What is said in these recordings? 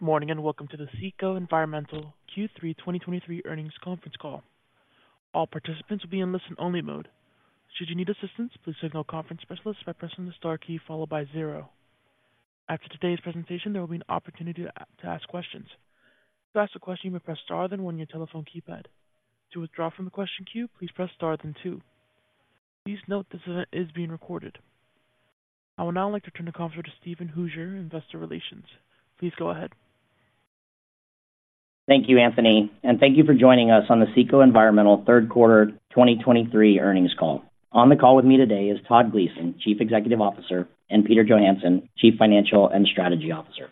Good morning, and welcome to the CECO Environmental Q3 2023 earnings conference call. All participants will be in listen-only mode. Should you need assistance, please signal a conference specialist by pressing the star key followed by zero. After today's presentation, there will be an opportunity to ask questions. To ask a question, you may press star, then one your telephone keypad. To withdraw from the question queue, please press star, then two. Please note this event is being recorded. I would now like to turn the conference to Steven Hooser, Investor Relations. Please go ahead. Thank you, Anthony, and thank you for joining us on the CECO Environmental third quarter 2023 earnings call. On the call with me today is Todd Gleason, Chief Executive Officer, and Peter Johansson, Chief Financial and Strategy Officer.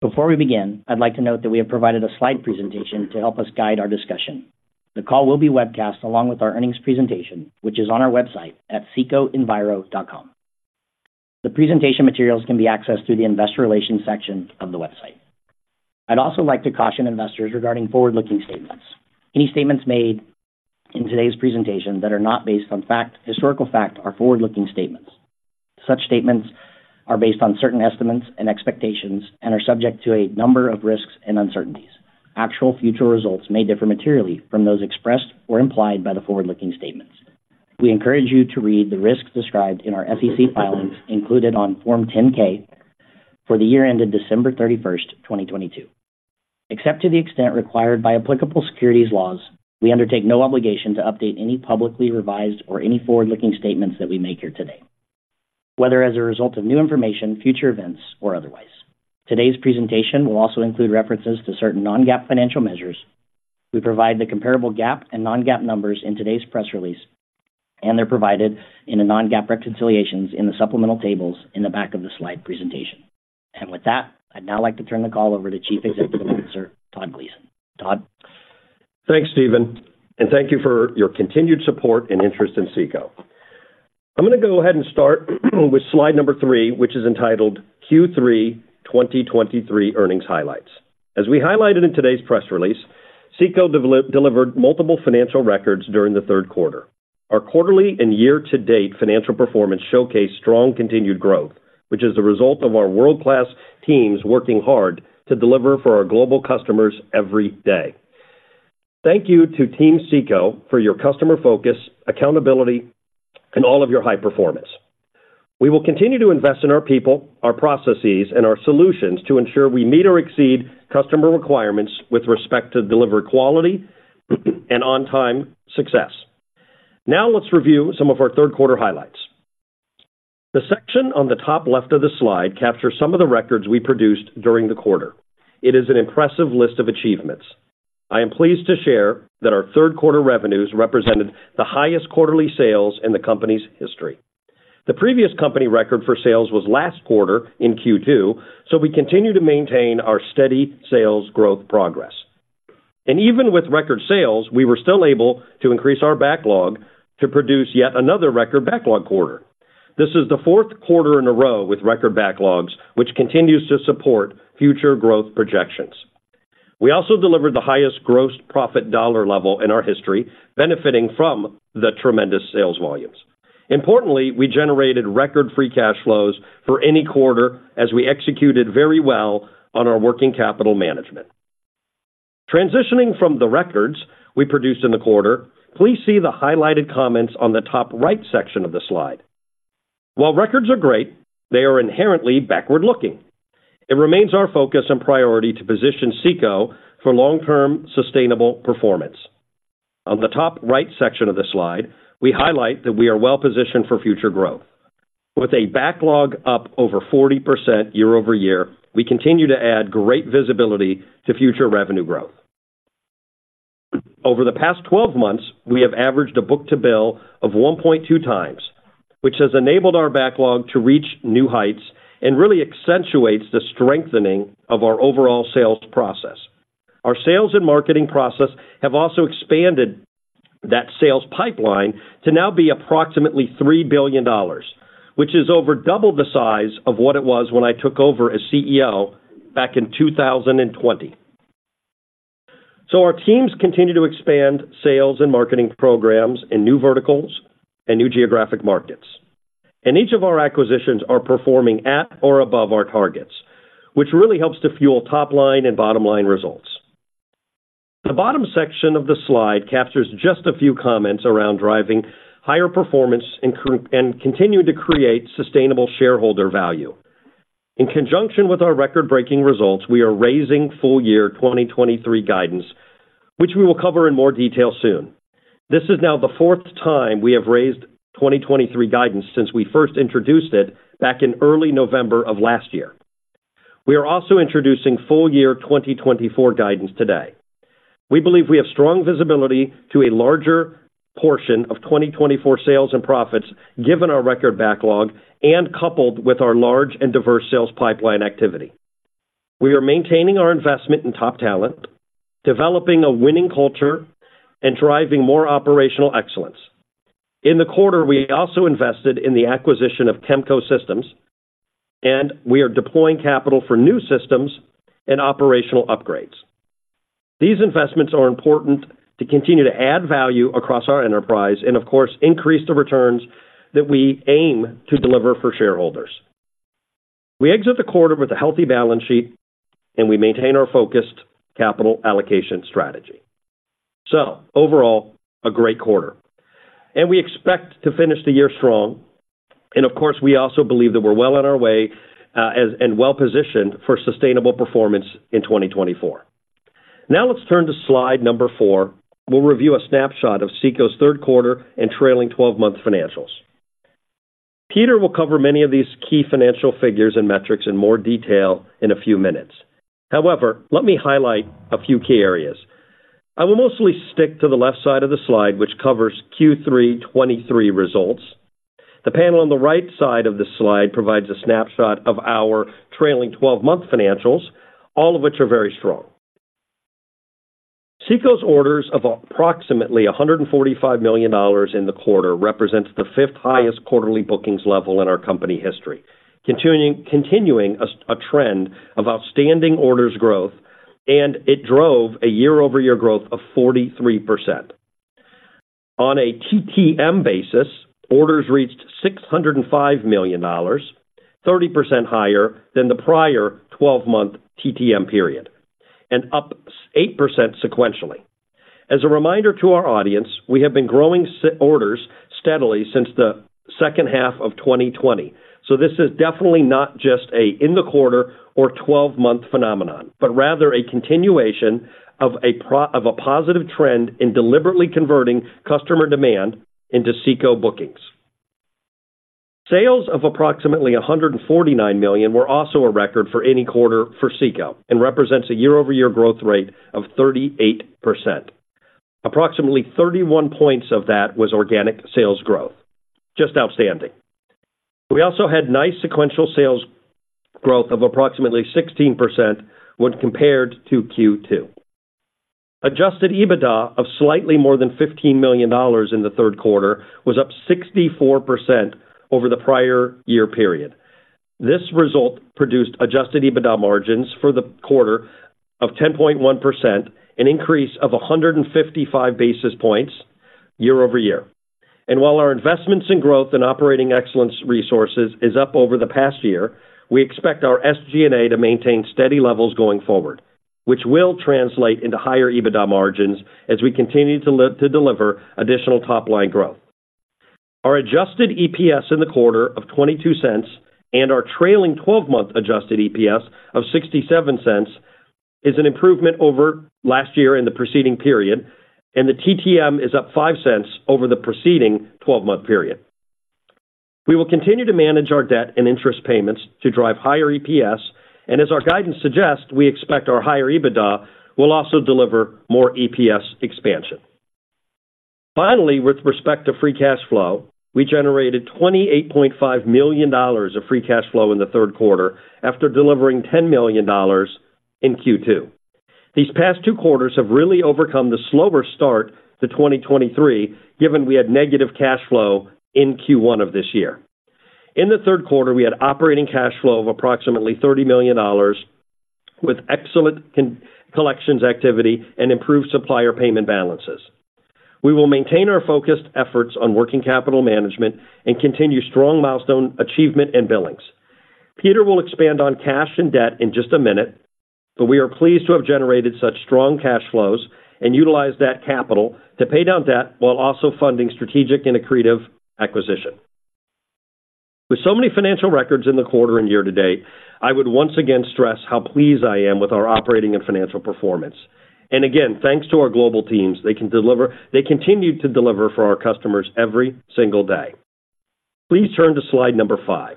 Before we begin, I'd like to note that we have provided a slide presentation to help us guide our discussion. The call will be webcast, along with our earnings presentation, which is on our website at cecoenviro.com. The presentation materials can be accessed through the Investor Relations section of the website. I'd also like to caution investors regarding forward-looking statements. Any statements made in today's presentation that are not based on fact, historical fact, are forward-looking statements. Such statements are based on certain estimates and expectations and are subject to a number of risks and uncertainties. Actual future results may differ materially from those expressed or implied by the forward-looking statements. We encourage you to read the risks described in our SEC filings, included on Form 10-K for the year ended December 31, 2022. Except to the extent required by applicable securities laws, we undertake no obligation to update any publicly revised or any forward-looking statements that we make here today, whether as a result of new information, future events, or otherwise. Today's presentation will also include references to certain non-GAAP financial measures. We provide the comparable GAAP and non-GAAP numbers in today's press release, and they're provided in the non-GAAP reconciliations in the supplemental tables in the back of the slide presentation. And with that, I'd now like to turn the call over to Chief Executive Officer, Todd Gleason. Todd? Thanks, Steven, and thank you for your continued support and interest in CECO. I'm gonna go ahead and start with slide number 3, which is entitled Q3 2023 Earnings Highlights. As we highlighted in today's press release, CECO delivered multiple financial records during the third quarter. Our quarterly and year-to-date financial performance showcased strong continued growth, which is the result of our world-class teams working hard to deliver for our global customers every day. Thank you to Team CECO for your customer focus, accountability, and all of your high performance. We will continue to invest in our people, our processes, and our solutions to ensure we meet or exceed customer requirements with respect to delivered quality and on-time success. Now, let's review some of our third quarter highlights. The section on the top left of the slide captures some of the records we produced during the quarter. It is an impressive list of achievements. I am pleased to share that our third quarter revenues represented the highest quarterly sales in the company's history. The previous company record for sales was last quarter in Q2, so we continue to maintain our steady sales growth progress. Even with record sales, we were still able to increase our backlog to produce yet another record backlog quarter. This is the fourth quarter in a row with record backlogs, which continues to support future growth projections. We also delivered the highest gross profit dollar level in our history, benefiting from the tremendous sales volumes. Importantly, we generated record free cash flows for any quarter as we executed very well on our working capital management. Transitioning from the records we produced in the quarter, please see the highlighted comments on the top right section of the slide. While records are great, they are inherently backward-looking. It remains our focus and priority to position CECO for long-term sustainable performance. On the top right section of the slide, we highlight that we are well positioned for future growth. With a backlog up over 40% year-over-year, we continue to add great visibility to future revenue growth. Over the past 12 months, we have averaged a book-to-bill of 1.2 times, which has enabled our backlog to reach new heights and really accentuates the strengthening of our overall sales process. Our sales and marketing process have also expanded that sales pipeline to now be approximately $3 billion, which is over double the size of what it was when I took over as CEO back in 2020. So our teams continue to expand sales and marketing programs in new verticals and new geographic markets. Each of our acquisitions are performing at or above our targets, which really helps to fuel top line and bottom line results. The bottom section of the slide captures just a few comments around driving higher performance and continuing to create sustainable shareholder value. In conjunction with our record-breaking results, we are raising full year 2023 guidance, which we will cover in more detail soon. This is now the fourth time we have raised 2023 guidance since we first introduced it back in early November of last year. We are also introducing full year 2024 guidance today. We believe we have strong visibility to a larger portion of 2024 sales and profits, given our record backlog and coupled with our large and diverse sales pipeline activity. We are maintaining our investment in top talent, developing a winning culture, and driving more operational excellence. In the quarter, we also invested in the acquisition of Kemco Systems, and we are deploying capital for new systems and operational upgrades. These investments are important to continue to add value across our enterprise and, of course, increase the returns that we aim to deliver for shareholders. We exit the quarter with a healthy balance sheet, and we maintain our focused capital allocation strategy. Overall, a great quarter, and we expect to finish the year strong. Of course, we also believe that we're well on our way, as and well-positioned for sustainable performance in 2024. Now, let's turn to slide number 4. We'll review a snapshot of CECO's third quarter and trailing 12-month financials. Peter will cover many of these key financial figures and metrics in more detail in a few minutes. However, let me highlight a few key areas. I will mostly stick to the left side of the slide, which covers Q3 2023 results. The panel on the right side of this slide provides a snapshot of our trailing twelve-month financials, all of which are very strong. CECO's orders of approximately $145 million in the quarter represents the fifth highest quarterly bookings level in our company history. Continuing a trend of outstanding orders growth, and it drove a year-over-year growth of 43%. On a TTM basis, orders reached $605 million, 30% higher than the prior twelve-month TTM period, and up 8% sequentially. As a reminder to our audience, we have been growing orders steadily since the second half of 2020. So this is definitely not just a one-quarter or 12-month phenomenon, but rather a continuation of a positive trend in deliberately converting customer demand into CECO bookings. Sales of approximately $149 million were also a record for any quarter for CECO and represents a year-over-year growth rate of 38%. Approximately 31 points of that was organic sales growth, just outstanding. We also had nice sequential sales growth of approximately 16% when compared to Q2. Adjusted EBITDA of slightly more than $15 million in the third quarter was up 64% over the prior year period. This result produced adjusted EBITDA margins for the quarter of 10.1%, an increase of 155 basis points year-over-year. While our investments in growth and operating excellence resources is up over the past year, we expect our SG&A to maintain steady levels going forward, which will translate into higher EBITDA margins as we continue to deliver additional top-line growth. Our adjusted EPS in the quarter of $0.22 and our trailing twelve-month adjusted EPS of $0.67 is an improvement over last year in the preceding period, and the TTM is up $0.05 over the preceding twelve-month period. We will continue to manage our debt and interest payments to drive higher EPS, and as our guidance suggests, we expect our higher EBITDA will also deliver more EPS expansion. Finally, with respect to free cash flow, we generated $28.5 million of free cash flow in the third quarter after delivering $10 million in Q2. These past two quarters have really overcome the slower start to 2023, given we had negative cash flow in Q1 of this year. In the third quarter, we had operating cash flow of approximately $30 million, with excellent collections activity and improved supplier payment balances. We will maintain our focused efforts on working capital management and continue strong milestone achievement and billings. Peter will expand on cash and debt in just a minute, but we are pleased to have generated such strong cash flows and utilized that capital to pay down debt while also funding strategic and accretive acquisition. With so many financial records in the quarter and year to date, I would once again stress how pleased I am with our operating and financial performance. Again, thanks to our global teams, they continue to deliver for our customers every single day. Please turn to slide number 5.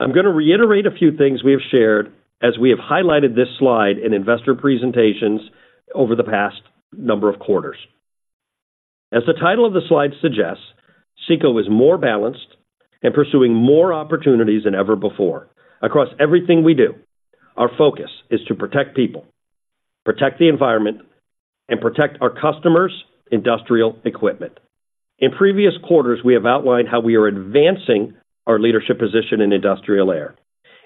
I'm going to reiterate a few things we have shared as we have highlighted this slide in investor presentations over the past number of quarters. As the title of the slide suggests, CECO is more balanced and pursuing more opportunities than ever before. Across everything we do, our focus is to protect people, protect the environment, and protect our customers' industrial equipment. In previous quarters, we have outlined how we are advancing our leadership position in industrial air,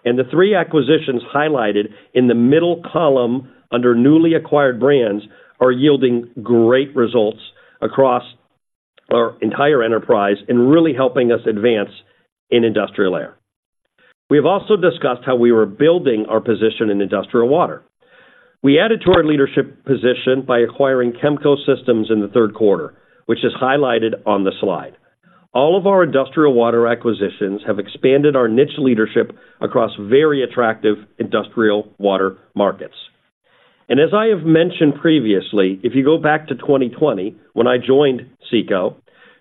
and the three acquisitions highlighted in the middle column under newly acquired brands are yielding great results across our entire enterprise and really helping us advance in industrial air. We have also discussed how we were building our position in industrial water. We added to our leadership position by acquiring Kemco System sin the third quarter, which is highlighted on the slide. All of our industrial water acquisitions have expanded our niche leadership across very attractive industrial water markets. As I have mentioned previously, if you go back to 2020, when I joined CECO,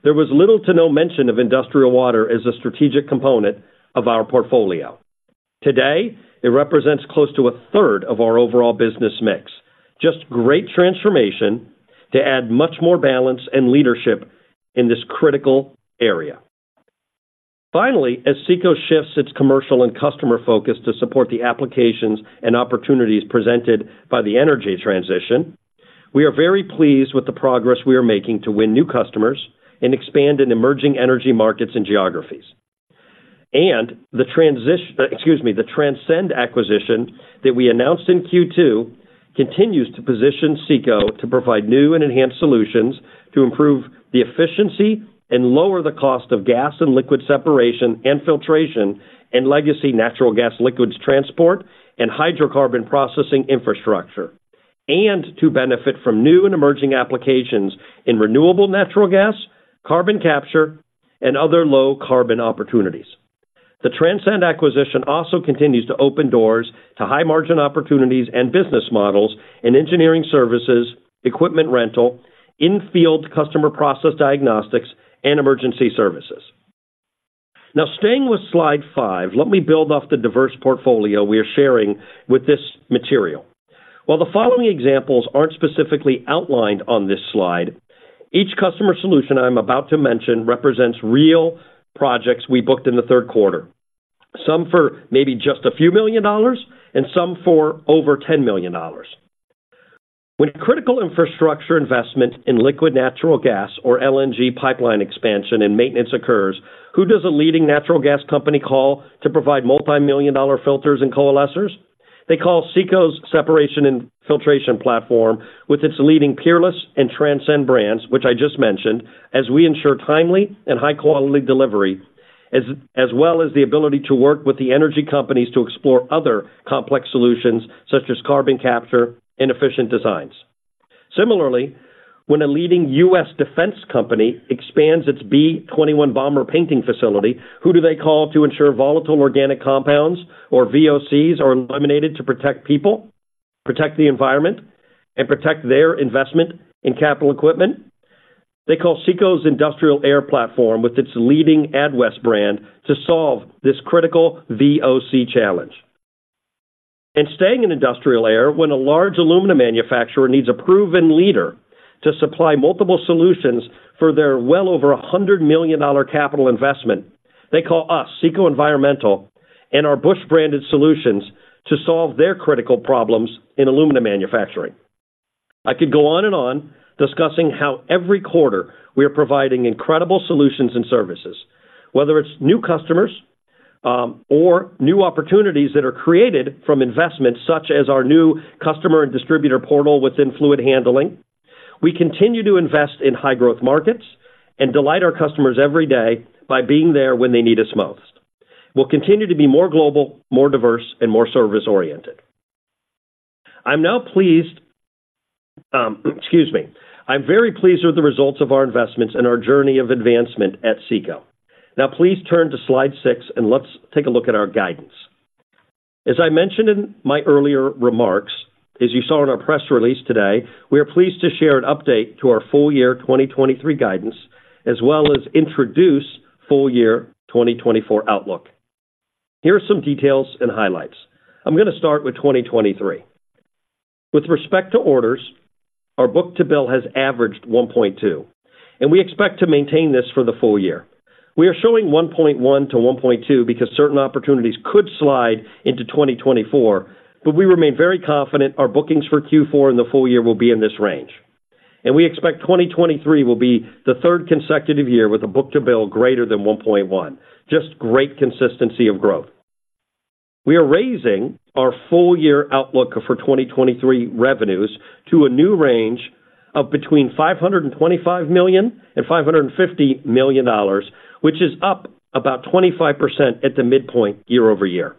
there was little to no mention of industrial water as a strategic component of our portfolio. Today, it represents close to a third of our overall business mix. Just great transformation to add much more balance and leadership in this critical area. Finally, as CECO shifts its commercial and customer focus to support the applications and opportunities presented by the energy transition, we are very pleased with the progress we are making to win new customers and expand in emerging energy markets and geographies. And the transition, excuse me, the Transcend acquisition that we announced in Q2 continues to position CECO to provide new and enhanced solutions to improve the efficiency and lower the cost of gas and liquid separation and filtration, and legacy natural gas liquids transport, and hydrocarbon processing infrastructure. And to benefit from new and emerging applications in renewable natural gas, carbon capture, and other low carbon opportunities. The Transcend acquisition also continues to open doors to high margin opportunities and business models in engineering services, equipment rental, in-field customer process diagnostics, and emergency services. Now, staying with slide 5, let me build off the diverse portfolio we are sharing with this material. While the following examples aren't specifically outlined on this slide, each customer solution I'm about to mention represents real projects we booked in the third quarter. Some for maybe just a few million dollars, and some for over $10 million. When critical infrastructure investment in liquid natural gas or LNG pipeline expansion and maintenance occurs, who does a leading natural gas company call to provide multimillion-dollar filters and coalescers? They call CECO's separation and filtration platform, with its leading Peerless and Transcend brands, which I just mentioned, as we ensure timely and high-quality delivery, as well as the ability to work with the energy companies to explore other complex solutions such as carbon capture and efficient designs. Similarly, when a leading U.S. defense company expands its B-21 bomber painting facility, who do they call to ensure volatile organic compounds or VOCs are eliminated to protect people, protect the environment, and protect their investment in capital equipment? They call CECO's Industrial Air platform, with its leading Adwest brand, to solve this critical VOC challenge. Staying in Industrial Air, when a large alumina manufacturer needs a proven leader to supply multiple solutions for their well over $100 million capital investment, they call us, CECO Environmental, and our Busch branded solutions to solve their critical problems in alumina manufacturing. I could go on and on discussing how every quarter we are providing incredible solutions and services, whether it's new customers or new opportunities that are created from investments such as our new customer and distributor portal within fluid handling. We continue to invest in high-growth markets and delight our customers every day by being there when they need us most. We'll continue to be more global, more diverse, and more service-oriented. I'm now pleased, excuse me. I'm very pleased with the results of our investments and our journey of advancement at CECO. Now, please turn to slide 6, and let's take a look at our guidance. As I mentioned in my earlier remarks, as you saw in our press release today, we are pleased to share an update to our full year 2023 guidance, as well as introduce full year 2024 outlook. Here are some details and highlights. I'm gonna start with 2023. With respect to orders, our book-to-bill has averaged 1.2, and we expect to maintain this for the full year. We are showing 1.1-1.2 because certain opportunities could slide into 2024, but we remain very confident our bookings for Q4 and the full year will be in this range. And we expect 2023 will be the third consecutive year with a book-to-bill greater than 1.1. Just great consistency of growth. We are raising our full year outlook for 2023 revenues to a new range of between $525 million and $550 million, which is up about 25% at the midpoint year-over-year.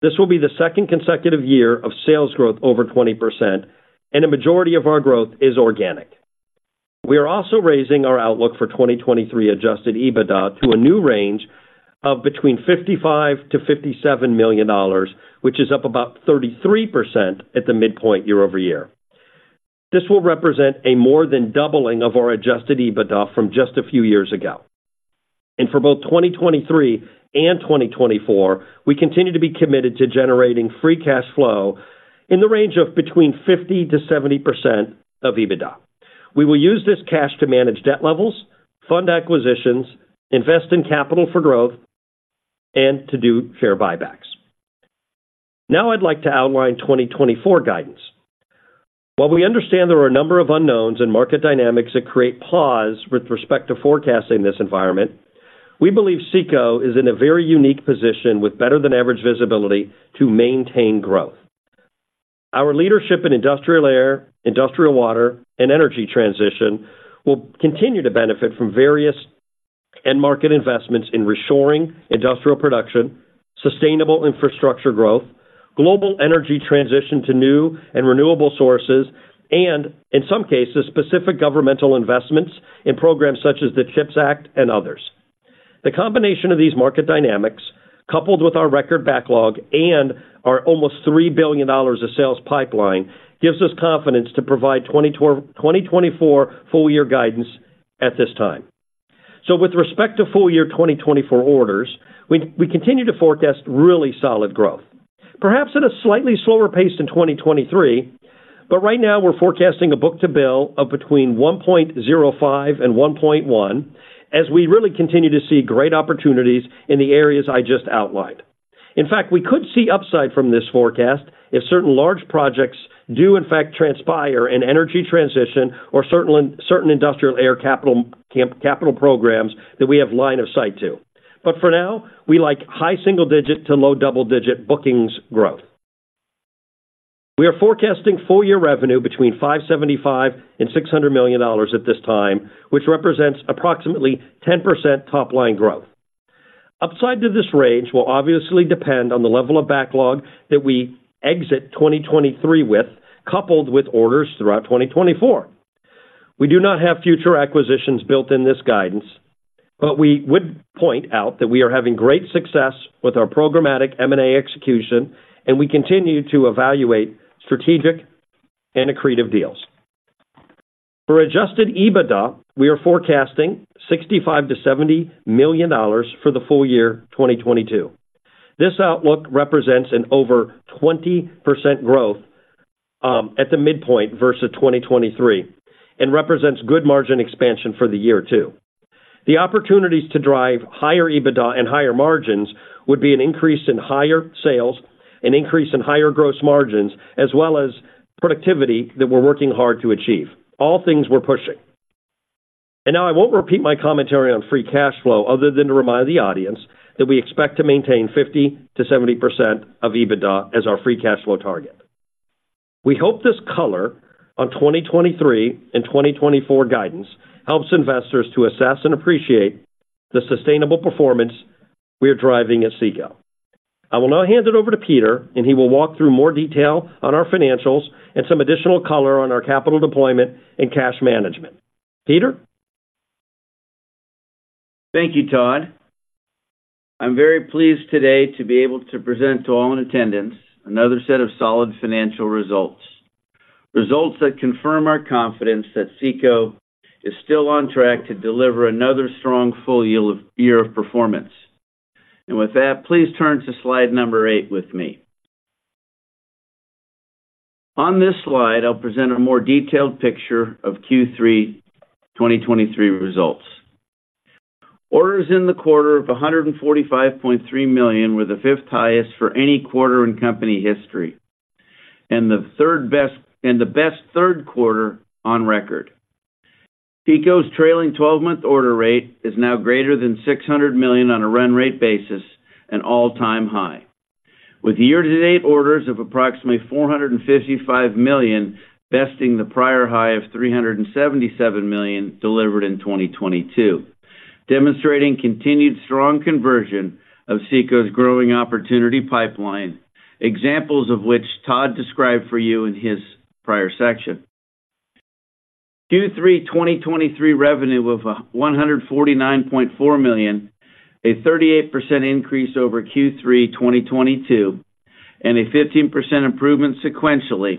This will be the second consecutive year of sales growth over 20%, and a majority of our growth is organic. We are also raising our outlook for 2023 Adjusted EBITDA to a new range of between $55 million-$57 million, which is up about 33% at the midpoint year-over-year. This will represent a more than doubling of our Adjusted EBITDA from just a few years ago. For both 2023 and 2024, we continue to be committed to generating free cash flow in the range of between 50%-70% of EBITDA. We will use this cash to manage debt levels, fund acquisitions, invest in capital for growth, and to do share buybacks. Now, I'd like to outline 2024 guidance. While we understand there are a number of unknowns and market dynamics that create pause with respect to forecasting this environment, we believe CECO is in a very unique position with better than average visibility to maintain growth. Our leadership in industrial air, industrial water, and energy transition will continue to benefit from various end market investments in reshoring industrial production, sustainable infrastructure growth, global energy transition to new and renewable sources, and in some cases, specific governmental investments in programs such as the CHIPS Act and others. The combination of these market dynamics, coupled with our record backlog and our almost $3 billion of sales pipeline, gives us confidence to provide 2024 full year guidance at this time. So with respect to full year 2024 orders, we, we continue to forecast really solid growth. Perhaps at a slightly slower pace in 2023, but right now we're forecasting a book-to-bill of between 1.05 and 1.1, as we really continue to see great opportunities in the areas I just outlined.... In fact, we could see upside from this forecast if certain large projects do, in fact, transpire in energy transition or certain industrial air capital programs that we have line of sight to. But for now, we like high single-digit to low double-digit bookings growth. We are forecasting full year revenue between $575 million and $600 million at this time, which represents approximately 10% top line growth. Upside to this range will obviously depend on the level of backlog that we exit 2023 with, coupled with orders throughout 2024. We do not have future acquisitions built in this guidance, but we would point out that we are having great success with our programmatic M&A execution, and we continue to evaluate strategic and accretive deals. For Adjusted EBITDA, we are forecasting $65 million-$70 million for the full year 2022. This outlook represents an over 20% growth at the midpoint versus 2023, and represents good margin expansion for the year, too. The opportunities to drive higher EBITDA and higher margins would be an increase in higher sales, an increase in higher gross margins, as well as productivity that we're working hard to achieve. All things we're pushing. And now, I won't repeat my commentary on free cash flow other than to remind the audience that we expect to maintain 50%-70% of EBITDA as our free cash flow target. We hope this color on 2023 and 2024 guidance helps investors to assess and appreciate the sustainable performance we are driving at CECO. I will now hand it over to Peter, and he will walk through more detail on our financials and some additional color on our capital deployment and cash management. Peter? Thank you, Todd. I'm very pleased today to be able to present to all in attendance another set of solid financial results, results that confirm our confidence that CECO is still on track to deliver another strong full year of performance. With that, please turn to slide 8 with me. On this slide, I'll present a more detailed picture of Q3 2023 results. Orders in the quarter of $145.3 million were the fifth highest for any quarter in company history, and the best third quarter on record. CECO's trailing twelve-month order rate is now greater than $600 million on a run rate basis, an all-time high. With year-to-date orders of approximately $455 million, besting the prior high of $377 million delivered in 2022, demonstrating continued strong conversion of CECO's growing opportunity pipeline, examples of which Todd described for you in his prior section. Q3 2023 revenue of $149.4 million, a 38% increase over Q3 2022, and a 15% improvement sequentially,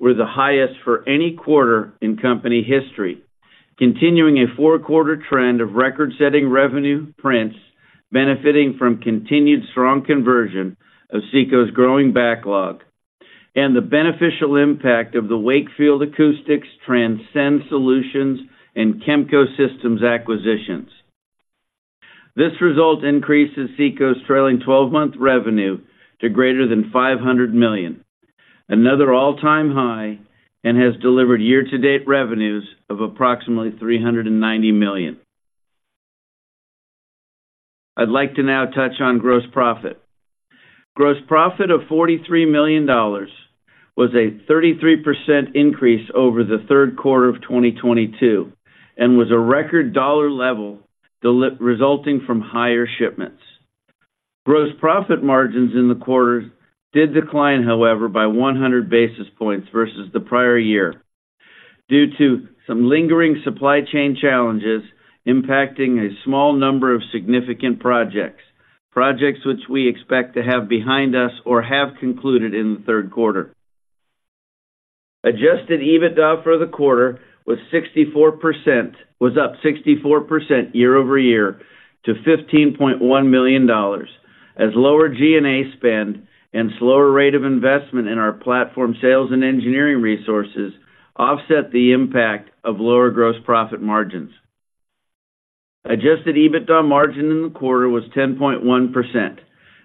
were the highest for any quarter in company history. Continuing a 4-quarter trend of record-setting revenue prints, benefiting from continued strong conversion of CECO's growing backlog and the beneficial impact of the Wakefield Acoustics, Transcend Solutions, and Kemco Systems acquisitions. This result increases CECO's trailing twelve-month revenue to greater than $500 million, another all-time high, and has delivered year-to-date revenues of approximately $390 million. I'd like to now touch on gross profit. Gross profit of $43 million was a 33% increase over the third quarter of 2022 and was a record dollar level resulting from higher shipments. Gross profit margins in the quarter did decline, however, by 100 basis points versus the prior year due to some lingering supply chain challenges impacting a small number of significant projects, projects which we expect to have behind us or have concluded in the third quarter. Adjusted EBITDA for the quarter was up 64% year over year to $15.1 million, as lower G&A spend and slower rate of investment in our platform sales and engineering resources offset the impact of lower gross profit margins. Adjusted EBITDA margin in the quarter was 10.1%,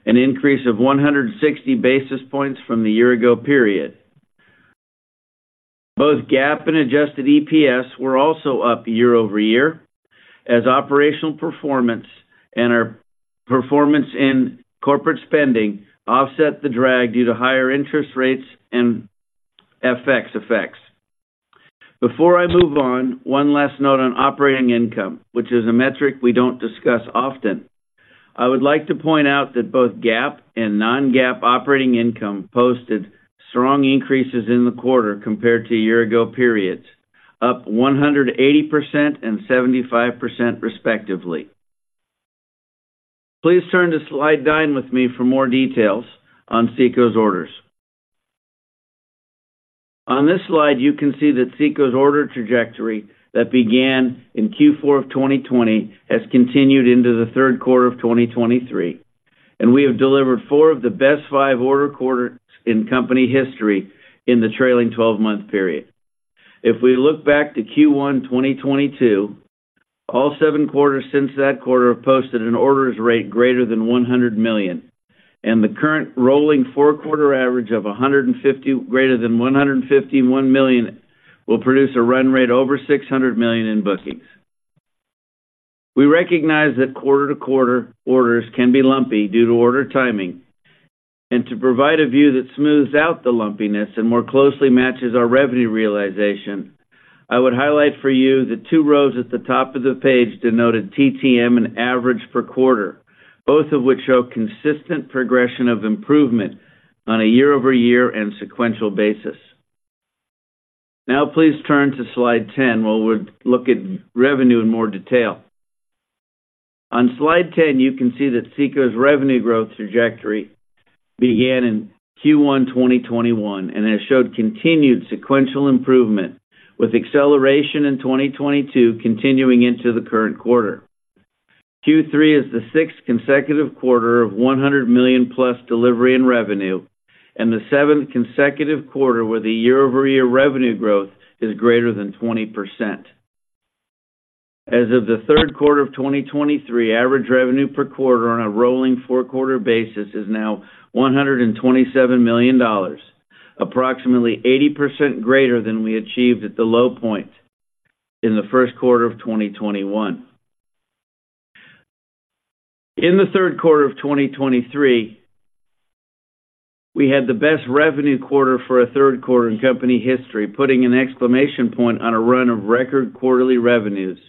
an increase of 160 basis points from the year ago period. Both GAAP and Adjusted EPS were also up year-over-year, as operational performance and our performance in corporate spending offset the drag due to higher interest rates and FX effects. Before I move on, one last note on operating income, which is a metric we don't discuss often. I would like to point out that both GAAP and non-GAAP operating income posted strong increases in the quarter compared to year-ago periods, up 180% and 75% respectively. Please turn to slide 9 with me for more details on CECO's orders. On this slide, you can see that CECO's order trajectory that began in Q4 of 2020, has continued into the third quarter of 2023, and we have delivered 4 of the best 5 order quarters in company history in the trailing twelve-month period. If we look back to Q1 2022-... All seven quarters since that quarter have posted an orders rate greater than $100 million, and the current rolling four-quarter average of 150, greater than $151 million, will produce a run rate over $600 million in bookings. We recognize that quarter-to-quarter orders can be lumpy due to order timing, and to provide a view that smooths out the lumpiness and more closely matches our revenue realization, I would highlight for you the two rows at the top of the page denoted TTM and average per quarter, both of which show consistent progression of improvement on a year-over-year and sequential basis. Now, please turn to Slide 10, where we'll look at revenue in more detail. On Slide 10, you can see that CECO's revenue growth trajectory began in Q1 2021, and has showed continued sequential improvement, with acceleration in 2022 continuing into the current quarter. Q3 is the sixth consecutive quarter of 100 million-plus delivery and revenue, and the seventh consecutive quarter where the year-over-year revenue growth is greater than 20%. As of the third quarter of 2023, average revenue per quarter on a rolling four-quarter basis is now $127 million, approximately 80% greater than we achieved at the low point in the first quarter of 2021. In the third quarter of 2023, we had the best revenue quarter for a third quarter in company history, putting an exclamation point on a run of record quarterly revenues,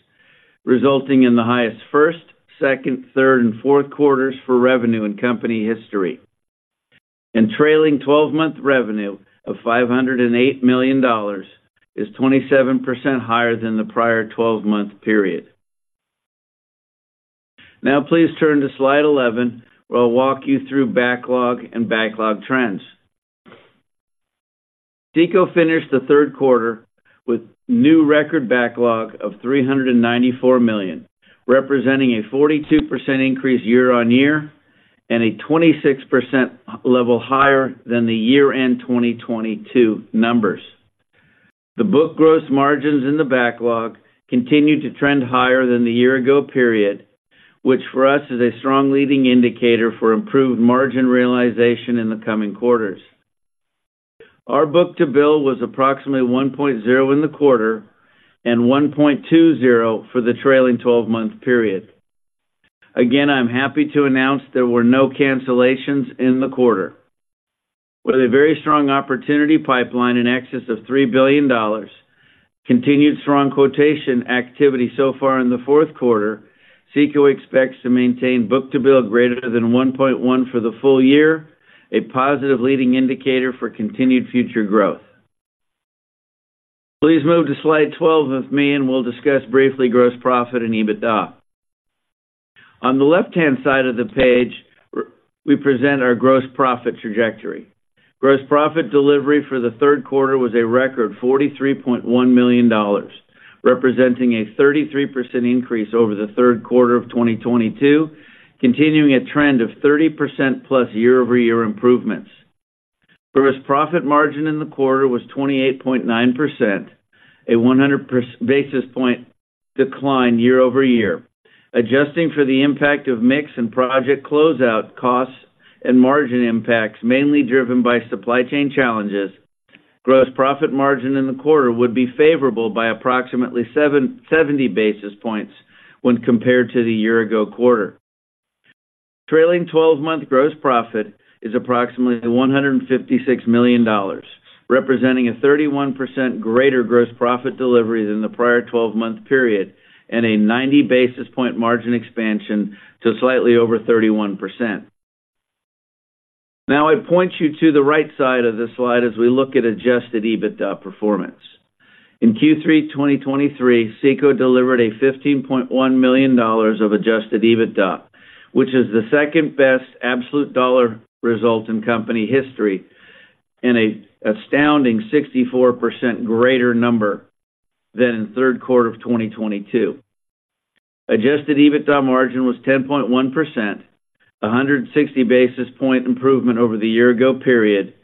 resulting in the highest first, second, third, and fourth quarters for revenue in company history. Trailing twelve-month revenue of $508 million is 27% higher than the prior twelve-month period. Now please turn to Slide 11, where I'll walk you through backlog and backlog trends. CECO finished the third quarter with new record backlog of $394 million, representing a 42% increase year-on-year and a 26% level higher than the year-end 2022 numbers. The book gross margins in the backlog continued to trend higher than the year-ago period, which for us is a strong leading indicator for improved margin realization in the coming quarters. Our book-to-bill was approximately 1.0 in the quarter and 1.20 for the trailing twelve-month period. Again, I'm happy to announce there were no cancellations in the quarter. With a very strong opportunity pipeline in excess of $3 billion, continued strong quotation activity so far in the fourth quarter, CECO expects to maintain book-to-bill greater than 1.1 for the full year, a positive leading indicator for continued future growth. Please move to Slide 12 with me, and we'll discuss briefly gross profit and EBITDA. On the left-hand side of the page, we present our gross profit trajectory. Gross profit delivery for the third quarter was a record $43.1 million, representing a 33% increase over the third quarter of 2022, continuing a trend of 30%+ year-over-year improvements. Gross profit margin in the quarter was 28.9%, a 100 basis point decline year over year. Adjusting for the impact of mix and project closeout costs and margin impacts, mainly driven by supply chain challenges, gross profit margin in the quarter would be favorable by approximately 70 basis points when compared to the year-ago quarter. Trailing 12-month gross profit is approximately $156 million, representing a 31% greater gross profit delivery than the prior 12-month period, and a 90 basis point margin expansion to slightly over 31%. Now I point you to the right side of the slide as we look at Adjusted EBITDA performance. In Q3 2023, CECO delivered $15.1 million of Adjusted EBITDA, which is the second-best absolute dollar result in company history and an astounding 64% greater number than in third quarter of 2022. Adjusted EBITDA margin was 10.1%, a 160 basis point improvement over the year-ago period,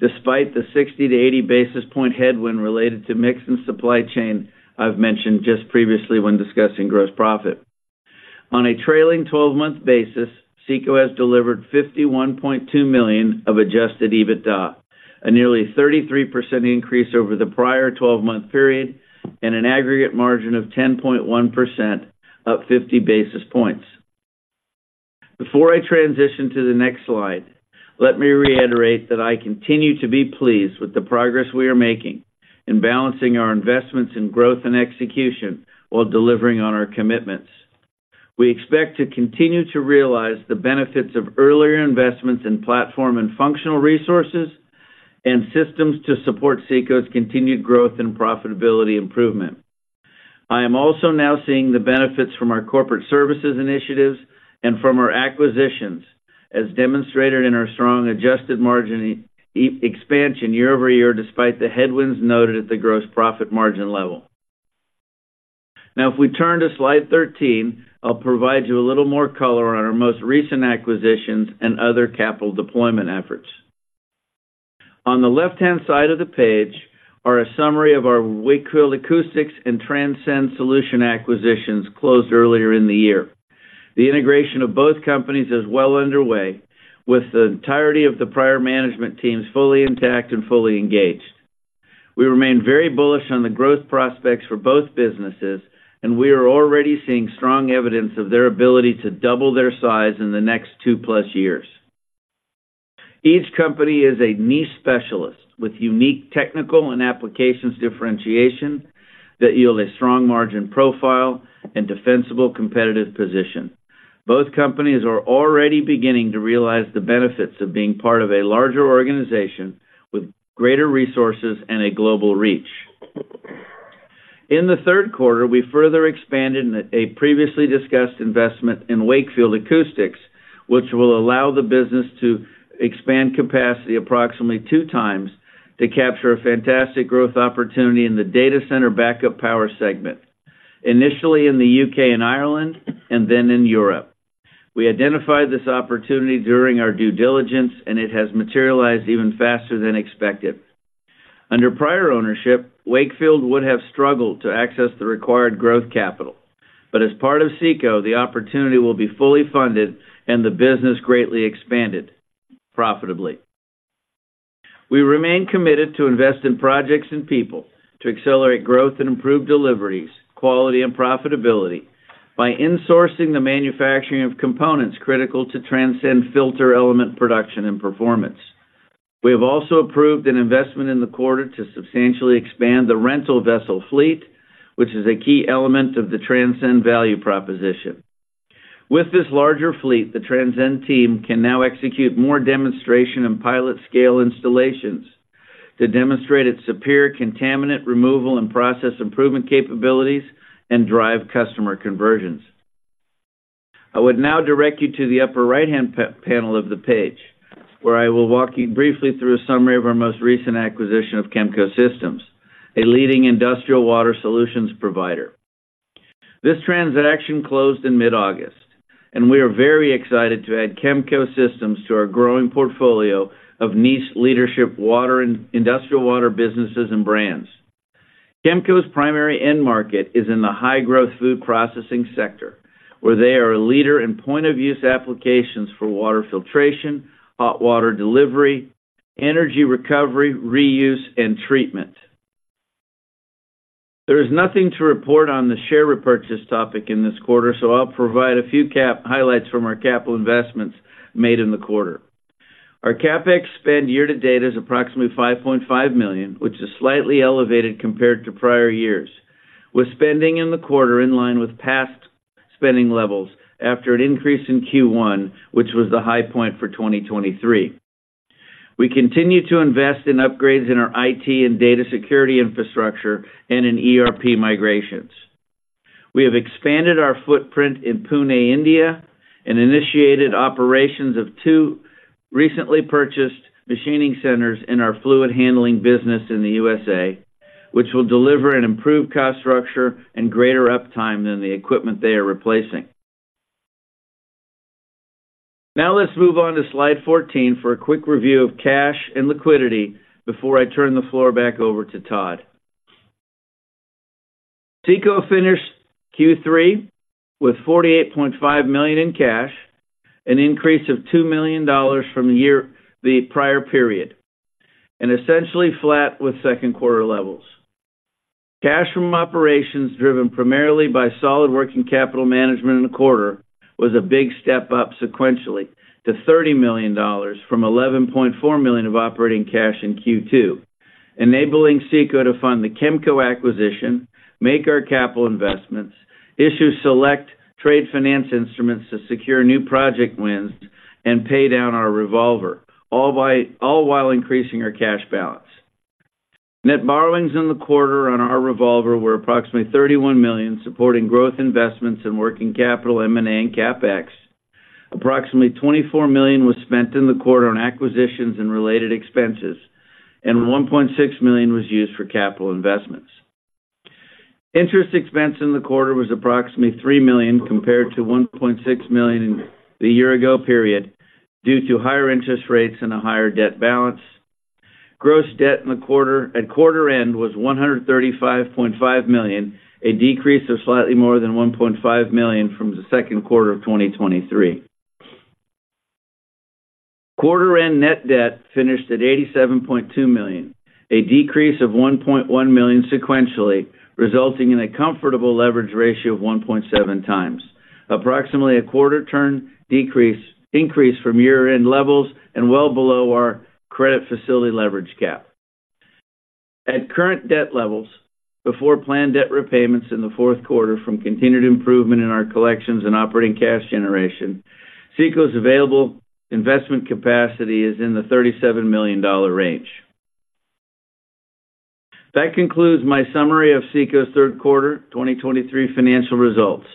despite the 60-80 basis point headwind related to mix and supply chain I've mentioned just previously when discussing gross profit. On a trailing twelve-month basis, CECO has delivered $51.2 million of adjusted EBITDA, a nearly 33% increase over the prior twelve-month period, and an aggregate margin of 10.1%, up 50 basis points. Before I transition to the next slide, let me reiterate that I continue to be pleased with the progress we are making in balancing our investments in growth and execution while delivering on our commitments. We expect to continue to realize the benefits of earlier investments in platform and functional resources, and systems to support CECO's continued growth and profitability improvement. I am also now seeing the benefits from our corporate services initiatives and from our acquisitions, as demonstrated in our strong adjusted margin expansion year-over-year, despite the headwinds noted at the gross profit margin level. Now, if we turn to Slide 13, I'll provide you a little more color on our most recent acquisitions and other capital deployment efforts. On the left-hand side of the page are a summary of our Wakefield Acoustics and Transcend Solutions acquisitions closed earlier in the year. The integration of both companies is well underway, with the entirety of the prior management teams fully intact and fully engaged. We remain very bullish on the growth prospects for both businesses, and we are already seeing strong evidence of their ability to double their size in the next 2+ years. Each company is a niche specialist with unique technical and applications differentiation that yield a strong margin profile and defensible competitive position. Both companies are already beginning to realize the benefits of being part of a larger organization with greater resources and a global reach. In the third quarter, we further expanded in a previously discussed investment in Wakefield Acoustics, which will allow the business to expand capacity approximately two times to capture a fantastic growth opportunity in the data center backup power segment, initially in the U.K. and Ireland, and then in Europe. We identified this opportunity during our due diligence, and it has materialized even faster than expected. Under prior ownership, Wakefield would have struggled to access the required growth capital. As part of CECO, the opportunity will be fully funded and the business greatly expanded profitably. We remain committed to invest in projects and people to accelerate growth and improve deliveries, quality, and profitability by insourcing the manufacturing of components critical to Transcend filter element production and performance. We have also approved an investment in the quarter to substantially expand the rental vessel fleet, which is a key element of the Transcend value proposition. With this larger fleet, the Transcend team can now execute more demonstration and pilot scale installations to demonstrate its superior contaminant removal and process improvement capabilities and drive customer conversions. I would now direct you to the upper right-hand panel of the page, where I will walk you briefly through a summary of our most recent acquisition of Kemco Systems, a leading industrial water solutions provider. This transaction closed in mid-August, and we are very excited to add Kemco Systems to our growing portfolio of niche leadership, water, and industrial water businesses and brands. Chemco's primary end market is in the high-growth food processing sector, where they are a leader in point-of-use applications for water filtration, hot water delivery, energy recovery, reuse, and treatment. There is nothing to report on the share repurchase topic in this quarter, so I'll provide a few capital highlights from our capital investments made in the quarter. Our CapEx spend year-to-date is approximately $5.5 million, which is slightly elevated compared to prior years, with spending in the quarter in line with past spending levels after an increase in Q1, which was the high point for 2023. We continue to invest in upgrades in our IT and data security infrastructure and in ERP migrations. We have expanded our footprint in Pune, India, and initiated operations of two recently purchased machining centers in our fluid handling business in the USA, which will deliver an improved cost structure and greater uptime than the equipment they are replacing. Now, let's move on to Slide 14 for a quick review of cash and liquidity before I turn the floor back over to Todd. CECO finished Q3 with $48.5 million in cash, an increase of $2 million from the year, the prior period, and essentially flat with second quarter levels. Cash from operations, driven primarily by solid working capital management in the quarter, was a big step up sequentially to $30 million from $11.4 million of operating cash in Q2, enabling CECO to fund the Chemco acquisition, make our capital investments, issue select trade finance instruments to secure new project wins, and pay down our revolver, all while increasing our cash balance. Net borrowings in the quarter on our revolver were approximately $31 million, supporting growth investments in working capital, M&A, and CapEx. Approximately $24 million was spent in the quarter on acquisitions and related expenses, and $1.6 million was used for capital investments. Interest expense in the quarter was approximately $3 million, compared to $1.6 million in the year-ago period, due to higher interest rates and a higher debt balance. Gross debt in the quarter, at quarter end, was $135.5 million, a decrease of slightly more than $1.5 million from the second quarter of 2023. Quarter end net debt finished at $87.2 million, a decrease of $1.1 million sequentially, resulting in a comfortable leverage ratio of 1.7 times. Approximately a quarter turn decrease, increase from year-end levels and well below our credit facility leverage cap. At current debt levels, before planned debt repayments in the fourth quarter from continued improvement in our collections and operating cash generation, CECO's available investment capacity is in the $37 million range. That concludes my summary of CECO's third quarter 2023 financial results,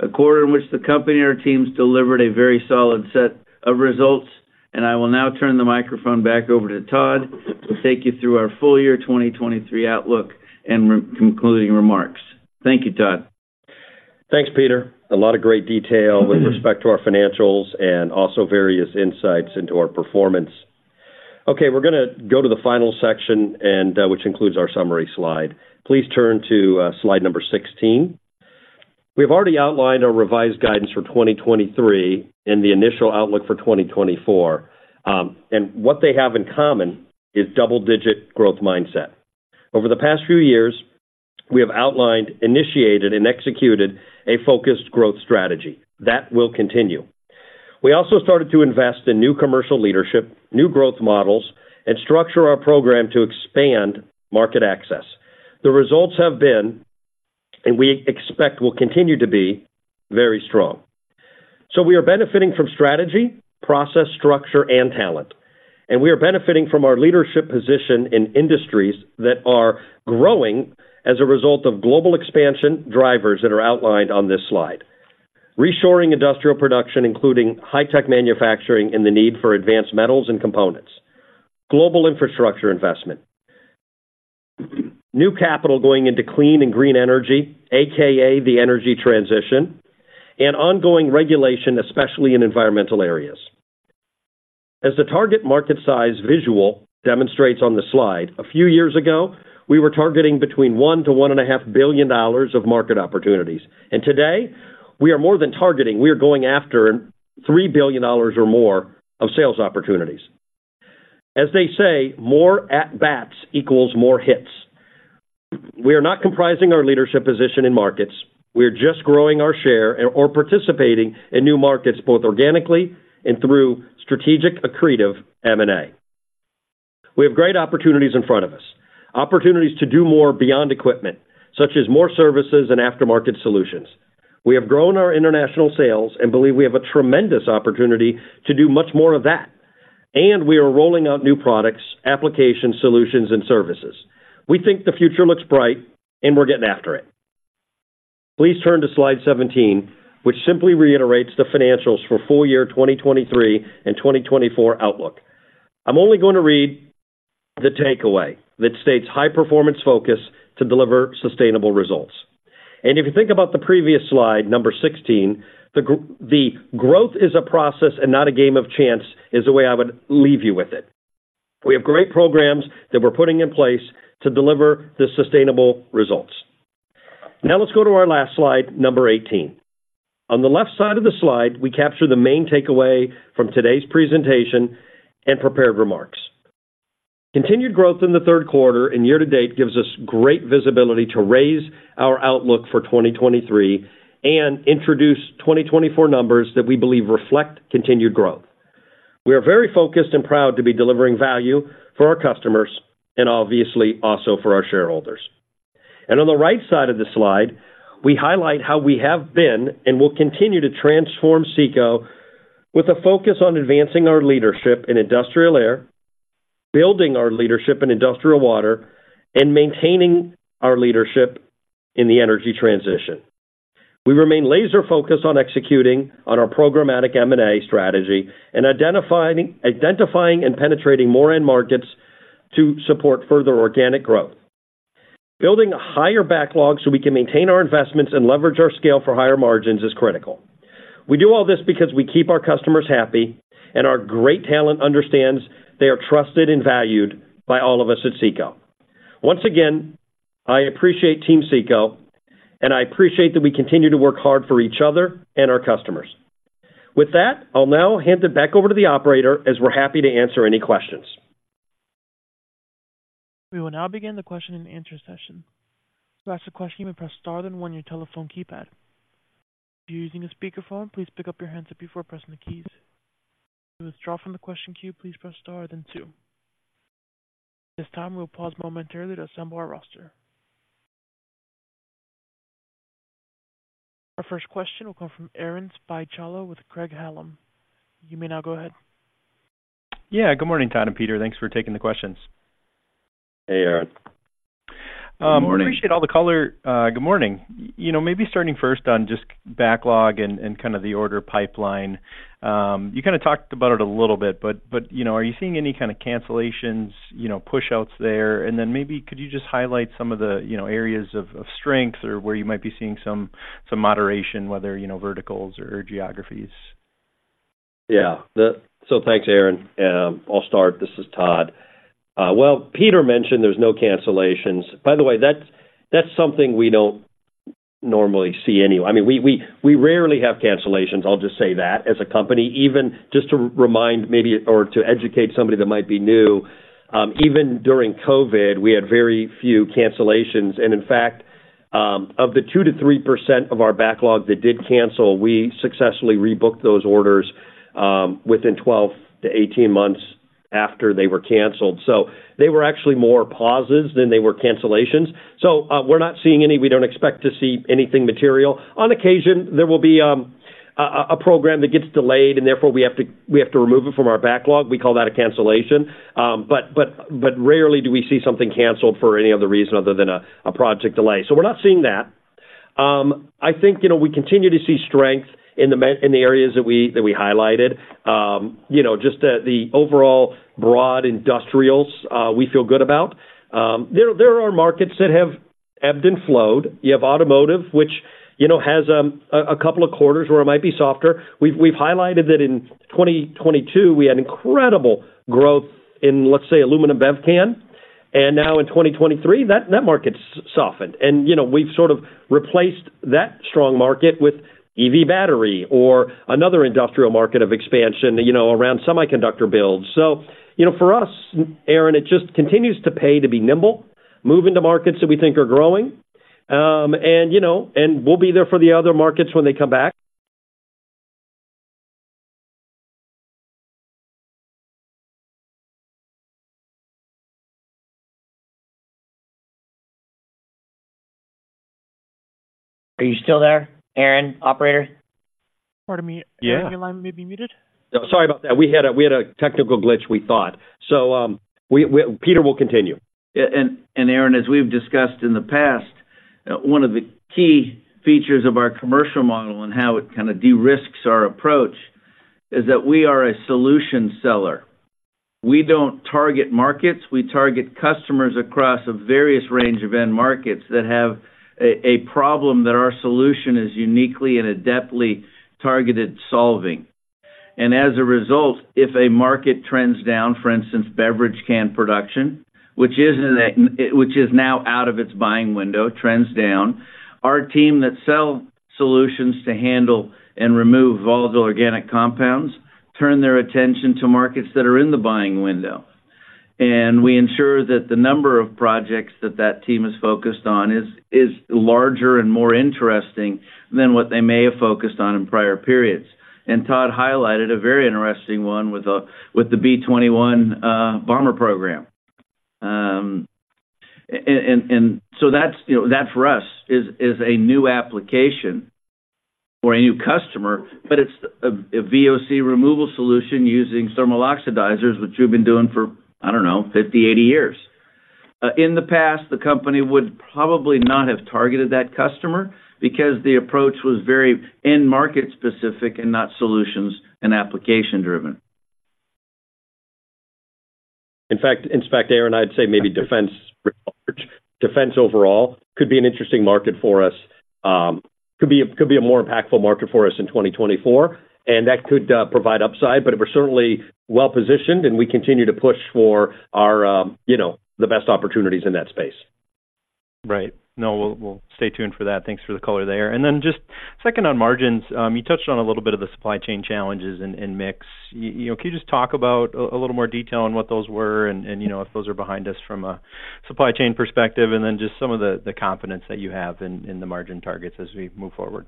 a quarter in which the company and our teams delivered a very solid set of results, and I will now turn the microphone back over to Todd to take you through our full year 2023 outlook and concluding remarks. Thank you, Todd.... Thanks, Peter. A lot of great detail with respect to our financials and also various insights into our performance. Okay, we're going to go to the final section, and which includes our summary slide. Please turn to slide number 16. We've already outlined our revised guidance for 2023 and the initial outlook for 2024. And what they have in common is double-digit growth mindset. Over the past few years, we have outlined, initiated, and executed a focused growth strategy. That will continue. We also started to invest in new commercial leadership, new growth models, and structure our program to expand market access. The results have been, and we expect will continue to be, very strong. So we are benefiting from strategy, process, structure, and talent, and we are benefiting from our leadership position in industries that are growing as a result of global expansion drivers that are outlined on this slide. Reshoring industrial production, including high-tech manufacturing and the need for advanced metals and components, global infrastructure investment, new capital going into clean and green energy, AKA the energy transition, and ongoing regulation, especially in environmental areas. As the target market size visual demonstrates on the slide, a few years ago, we were targeting between $1 billion-$1.5 billion of market opportunities, and today we are more than targeting. We are going after $3 billion or more of sales opportunities. As they say, more at bats equals more hits. We are not compromising our leadership position in markets. We are just growing our share or participating in new markets, both organically and through strategic accretive M&A. We have great opportunities in front of us, opportunities to do more beyond equipment, such as more services and aftermarket solutions. We have grown our international sales and believe we have a tremendous opportunity to do much more of that, and we are rolling out new products, applications, solutions, and services. We think the future looks bright, and we're getting after it. Please turn to slide 17, which simply reiterates the financials for full year 2023 and 2024 outlook. I'm only going to read the takeaway that states high performance focus to deliver sustainable results. And if you think about the previous slide number 16, the growth is a process and not a game of chance, is the way I would leave you with it. We have great programs that we're putting in place to deliver the sustainable results. Now let's go to our last slide, number 18. On the left side of the slide, we capture the main takeaway from today's presentation and prepared remarks. Continued growth in the third quarter and year to date gives us great visibility to raise our outlook for 2023 and introduce 2024 numbers that we believe reflect continued growth. We are very focused and proud to be delivering value for our customers and obviously also for our shareholders. On the right side of the slide, we highlight how we have been and will continue to transform CECO with a focus on advancing our leadership in industrial air, building our leadership in industrial water, and maintaining our leadership in the energy transition. We remain laser focused on executing on our programmatic M&A strategy and identifying and penetrating more end markets to support further organic growth. Building a higher backlog so we can maintain our investments and leverage our scale for higher margins is critical. We do all this because we keep our customers happy, and our great talent understands they are trusted and valued by all of us at CECO. Once again, I appreciate team CECO, and I appreciate that we continue to work hard for each other and our customers. With that, I'll now hand it back over to the operator, as we're happy to answer any questions. We will now begin the question and answer session. To ask a question, press star, then one on your telephone keypad. If you're using a speakerphone, please pick up your handset before pressing the keys. To withdraw from the question queue, please press star, then two. At this time, we'll pause momentarily to assemble our roster. Our first question will come from Aaron Spychalla with Craig-Hallum. You may now go ahead. Yeah. Good morning, Todd and Peter. Thanks for taking the questions. Hey, Aaron. Good morning. Appreciate all the color. Good morning. You know, maybe starting first on just backlog and kind of the order pipeline. You kind of talked about it a little bit, but you know, are you seeing any kind of cancellations, you know, push outs there? And then maybe could you just highlight some of the, you know, areas of strength or where you might be seeing some moderation, whether, you know, verticals or geographies? Yeah. So thanks, Aaron. I'll start. This is Todd. Well, Peter mentioned there's no cancellations. By the way, that's something we don't normally see anyway. I mean, we rarely have cancellations. I'll just say that as a company, even just to remind maybe or to educate somebody that might be new, even during COVID, we had very few cancellations. And in fact, of the 2%-3% of our backlog that did cancel, we successfully rebooked those orders, within 12-18 months after they were canceled. So they were actually more pauses than they were cancellations. So, we're not seeing any. We don't expect to see anything material. On occasion, there will be a program that gets delayed and therefore we have to remove it from our backlog. We call that a cancellation. But rarely do we see something canceled for any other reason other than a project delay. So we're not seeing that. I think, you know, we continue to see strength in the areas that we highlighted, you know, just the overall broad industrials, we feel good about. There are markets that have ebbed and flowed. You have automotive, which, you know, has a couple of quarters where it might be softer. We've highlighted that in 2022, we had incredible growth in, let's say, aluminum bev can. And now in 2023, that market's softened, and, you know, we've sort of replaced that strong market with EV battery or another industrial market of expansion, you know, around semiconductor builds. So, you know, for us, Aaron, it just continues to pay to be nimble, move into markets that we think are growing. And, you know, and we'll be there for the other markets when they come back. Are you still there, Aaron? Operator? Pardon me. Yeah. Your line may be muted. Sorry about that. We had a technical glitch, we thought. So, Peter will continue. Yeah, and Aaron, as we've discussed in the past, one of the key features of our commercial model and how it kind of de-risks our approach, is that we are a solution seller. We don't target markets, we target customers across a various range of end markets that have a problem that our solution is uniquely and adeptly targeted solving. And as a result, if a market trends down, for instance, beverage can production, which is now out of its buying window, trends down, our team that sell solutions to handle and remove volatile organic compounds, turn their attention to markets that are in the buying window. And we ensure that the number of projects that that team is focused on is larger and more interesting than what they may have focused on in prior periods. And Todd highlighted a very interesting one with the B-21 bomber program. And so that's, you know, that for us is a new application for a new customer, but it's a VOC removal solution using thermal oxidizers, which we've been doing for, I don't know, 50, 80 years. In the past, the company would probably not have targeted that customer because the approach was very end market specific and not solutions and application-driven. In fact, Aaron, I'd say maybe defense overall could be an interesting market for us, could be a more impactful market for us in 2024, and that could provide upside. But we're certainly well-positioned, and we continue to push for our, you know, the best opportunities in that space. Right. No, we'll stay tuned for that. Thanks for the color there. And then just second on margins. You touched on a little bit of the supply chain challenges and mix. You know, can you just talk about a little more detail on what those were and you know, if those are behind us from a supply chain perspective, and then just some of the confidence that you have in the margin targets as we move forward?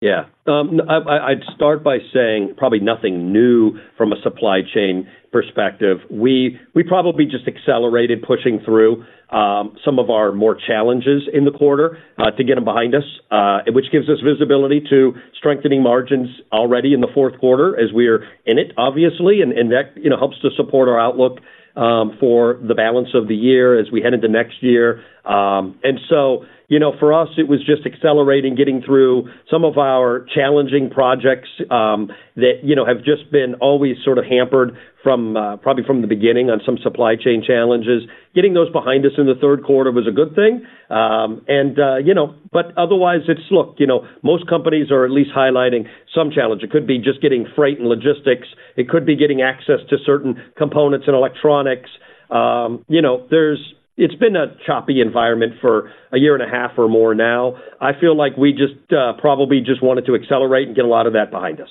Yeah. I'd start by saying probably nothing new from a supply chain perspective. We probably just accelerated, pushing through some of our more challenges in the quarter to get them behind us, which gives us visibility to strengthening margins already in the fourth quarter as we're in it, obviously, and that you know helps to support our outlook for the balance of the year as we head into next year. And so you know for us it was just accelerating, getting through some of our challenging projects that you know have just been always sort of hampered probably from the beginning on some supply chain challenges. Getting those behind us in the third quarter was a good thing. And you know but otherwise it's... Look, you know, most companies are at least highlighting some challenge. It could be just getting freight and logistics. It could be getting access to certain components and electronics. You know, there's. It's been a choppy environment for a year and a half or more now. I feel like we just, probably just wanted to accelerate and get a lot of that behind us.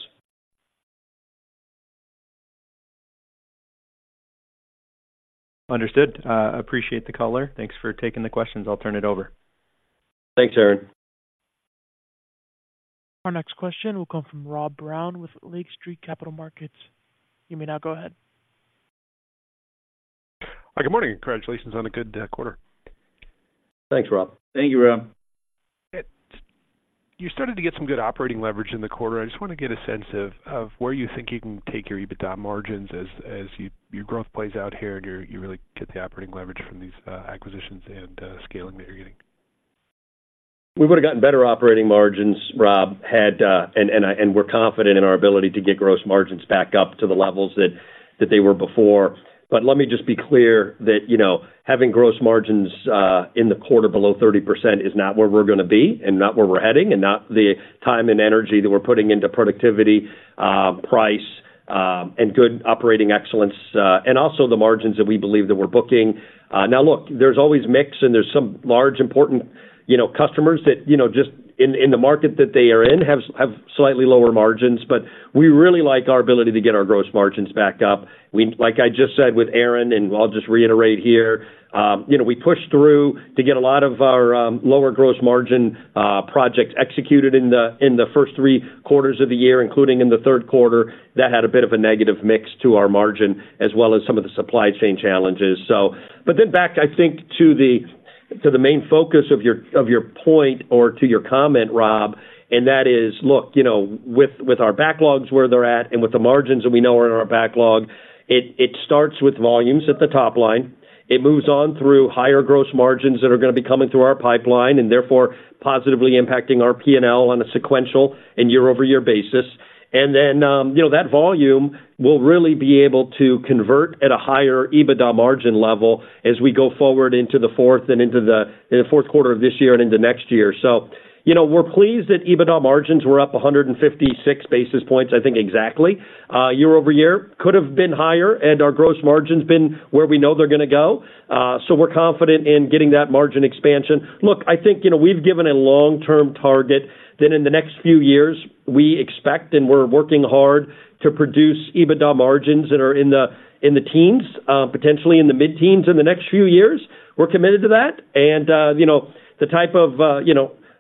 Understood. Appreciate the color. Thanks for taking the questions. I'll turn it over. Thanks, Aaron. Our next question will come from Rob Brown with Lake Street Capital Markets. You may now go ahead. Hi, good morning. Congratulations on a good quarter. Thanks, Rob. Thank you, Rob. You started to get some good operating leverage in the quarter. I just want to get a sense of where you think you can take your EBITDA margins as your growth plays out here, and you really get the operating leverage from these acquisitions and scaling that you're getting. We would have gotten better operating margins, Rob, had. And I, we're confident in our ability to get gross margins back up to the levels that they were before. But let me just be clear that, you know, having gross margins in the quarter below 30% is not where we're gonna be, and not where we're heading, and not the time and energy that we're putting into productivity, price, and good operating excellence, and also the margins that we believe that we're booking. Now, look, there's always mix, and there's some large, important, you know, customers that, you know, just in the market that they are in, have slightly lower margins, but we really like our ability to get our gross margins back up. We like I just said with Aaron, and I'll just reiterate here, you know, we pushed through to get a lot of our lower gross margin projects executed in the first three quarters of the year, including in the third quarter. That had a bit of a negative mix to our margin, as well as some of the supply chain challenges. But then back, I think, to the main focus of your point or to your comment, Rob, and that is, look, you know, with our backlogs where they're at and with the margins that we know are in our backlog, it starts with volumes at the top line. It moves on through higher gross margins that are going to be coming through our pipeline, and therefore positively impacting our P&L on a sequential and year-over-year basis. And then, you know, that volume will really be able to convert at a higher EBITDA margin level as we go forward into the fourth quarter of this year and into next year. So, you know, we're pleased that EBITDA margins were up 156 basis points, I think, exactly, year over year. Could have been higher, and our gross margins been where we know they're gonna go. So we're confident in getting that margin expansion. Look, I think, you know, we've given a long-term target that in the next few years, we expect, and we're working hard to produce EBITDA margins that are in the, in the teens, potentially in the mid-teens in the next few years. We're committed to that. And, you know, the type of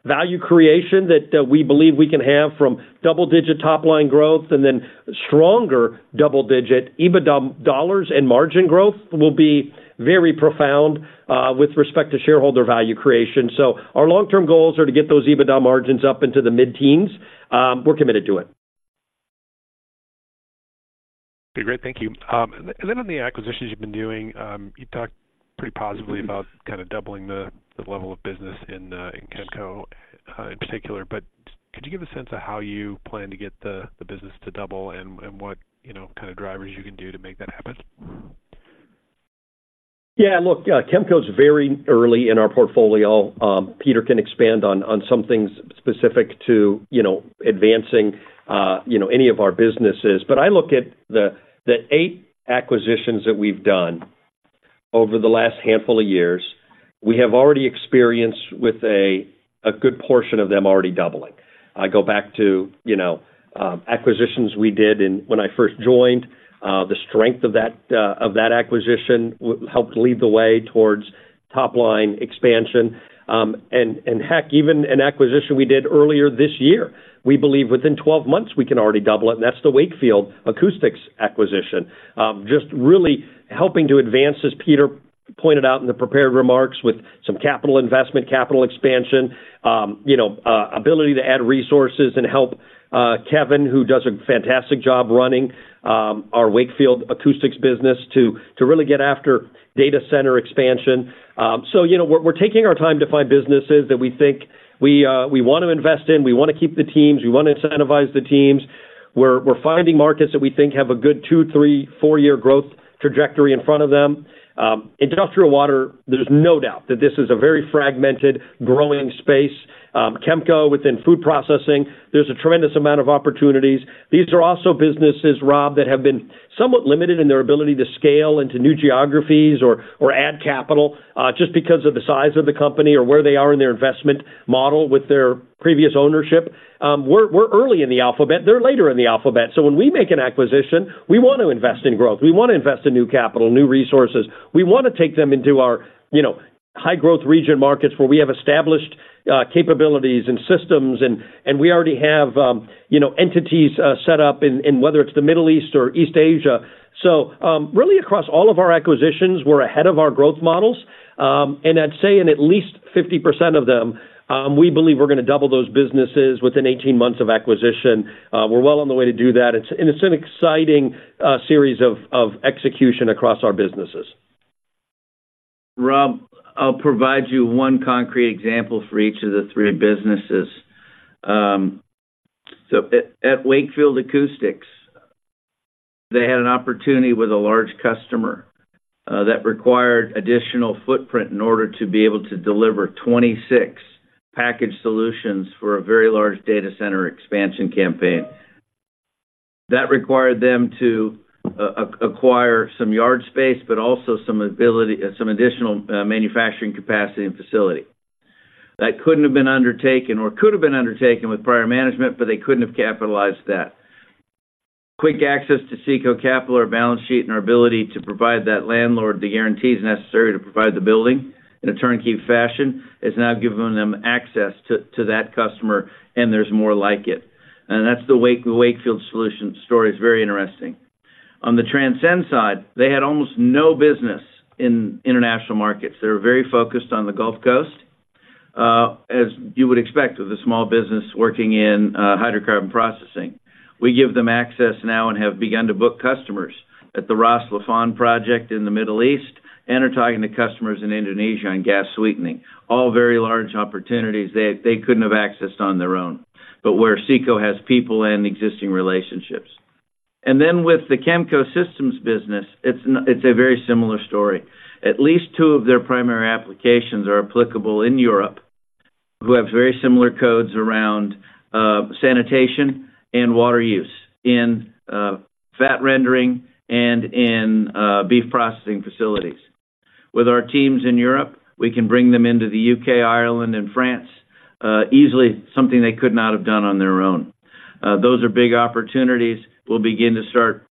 value creation that we believe we can have from double-digit top line growth and then stronger double-digit EBITDA dollars and margin growth will be very profound, with respect to shareholder value creation. So our long-term goals are to get those EBITDA margins up into the mid-teens. We're committed to it. Okay, great. Thank you. And then on the acquisitions you've been doing, you talked pretty positively about doubling the level of business in Kemco, in particular. But could you give a sense of how you plan to get the business to double and what, you know, kind of drivers you can do to make that happen? Yeah, look, Kemco is very early in our portfolio. Peter can expand on some things specific to, you know, advancing any of our businesses. But I look at the eight acquisitions that we've done over the last handful of years, we have already experienced with a good portion of them already doubling. I go back to, you know, acquisitions we did when I first joined. The strength of that acquisition helped lead the way towards top line expansion. And heck, even an acquisition we did earlier this year, we believe within 12 months, we can already double it, and that's the Wakefield Acoustics acquisition. Just really helping to advance, as Peter pointed out in the prepared remarks, with some capital investment, capital expansion, you know, ability to add resources and help Kevin, who does a fantastic job running our Wakefield Acoustics business, to, to really get after data center expansion. So you know, we're, we're taking our time to find businesses that we think we, we want to invest in. We want to keep the teams, we want to incentivize the teams. We're, we're finding markets that we think have a good 2, 3, 4-year growth trajectory in front of them. Industrial water, there's no doubt that this is a very fragmented, growing space. Kemco, within food processing, there's a tremendous amount of opportunities. These are also businesses, Rob, that have been somewhat limited in their ability to scale into new geographies or add capital just because of the size of the company or where they are in their investment model with their previous ownership. We're early in the alphabet. They're later in the alphabet. So when we make an acquisition, we want to invest in growth. We want to invest in new capital, new resources. We want to take them into our, you know, high growth region markets where we have established capabilities and systems, and we already have, you know, entities set up in whether it's the Middle East or East Asia. So really, across all of our acquisitions, we're ahead of our growth models. And I'd say in at least 50% of them, we believe we're going to double those businesses within 18 months of acquisition. We're well on the way to do that. It's an exciting series of execution across our businesses. Rob, I'll provide you one concrete example for each of the three businesses. So at Wakefield Acoustics, they had an opportunity with a large customer that required additional footprint in order to be able to deliver 26 package solutions for a very large data center expansion campaign. That required them to acquire some yard space, but also some additional manufacturing capacity and facility. That couldn't have been undertaken or could have been undertaken with prior management, but they couldn't have capitalized that. Quick access to CECO Capital, our balance sheet, and our ability to provide that landlord the guarantees necessary to provide the building in a turnkey fashion has now given them access to that customer, and there's more like it. And that's the Wakefield solution story. It's very interesting. On the Transcend side, they had almost no business in international markets. They were very focused on the Gulf Coast, as you would expect, with a small business working in hydrocarbon processing. We give them access now and have begun to book customers at the Ras Laffan project in the Middle East, and are talking to customers in Indonesia on gas sweetening. All very large opportunities they, they couldn't have accessed on their own, but where CECO has people and existing relationships. And then with the Kemco Systems business, it's a very similar story. At least two of their primary applications are applicable in Europe, who have very similar codes around sanitation and water use in fat rendering and in beef processing facilities. With our teams in Europe, we can bring them into the U.K., Ireland, and France, easily, something they could not have done on their own. Those are big opportunities we'll begin to start,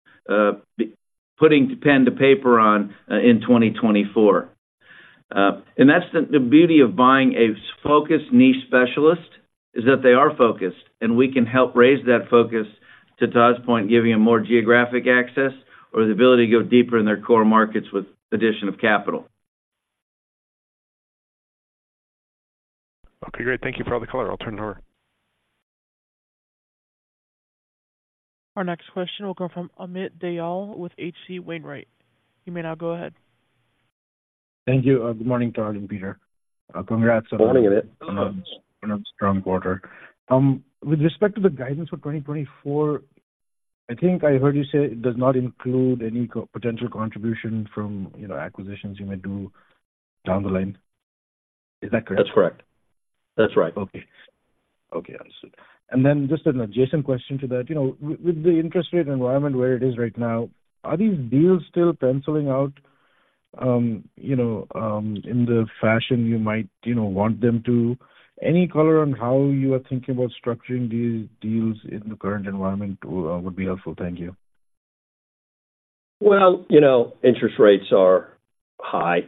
putting pen to paper on, in 2024. That's the beauty of buying a focused niche specialist, is that they are focused, and we can help raise that focus, to Todd's point, giving them more geographic access or the ability to go deeper in their core markets with addition of capital.... Okay, great. Thank you for all the color. I'll turn it over. Our next question will come from Amit Dayal with H.C. Wainwright. You may now go ahead. Thank you. Good morning to all, and Peter, congrats on- Good morning, Amit. Another strong quarter. With respect to the guidance for 2024, I think I heard you say it does not include any potential contribution from, you know, acquisitions you may do down the line. Is that correct? That's correct. That's right. Okay. Okay, understood. And then just an adjacent question to that, you know, with the interest rate environment where it is right now, are these deals still penciling out, you know, in the fashion you might, you know, want them to? Any color on how you are thinking about structuring these deals in the current environment would be helpful. Thank you. Well, you know, interest rates are high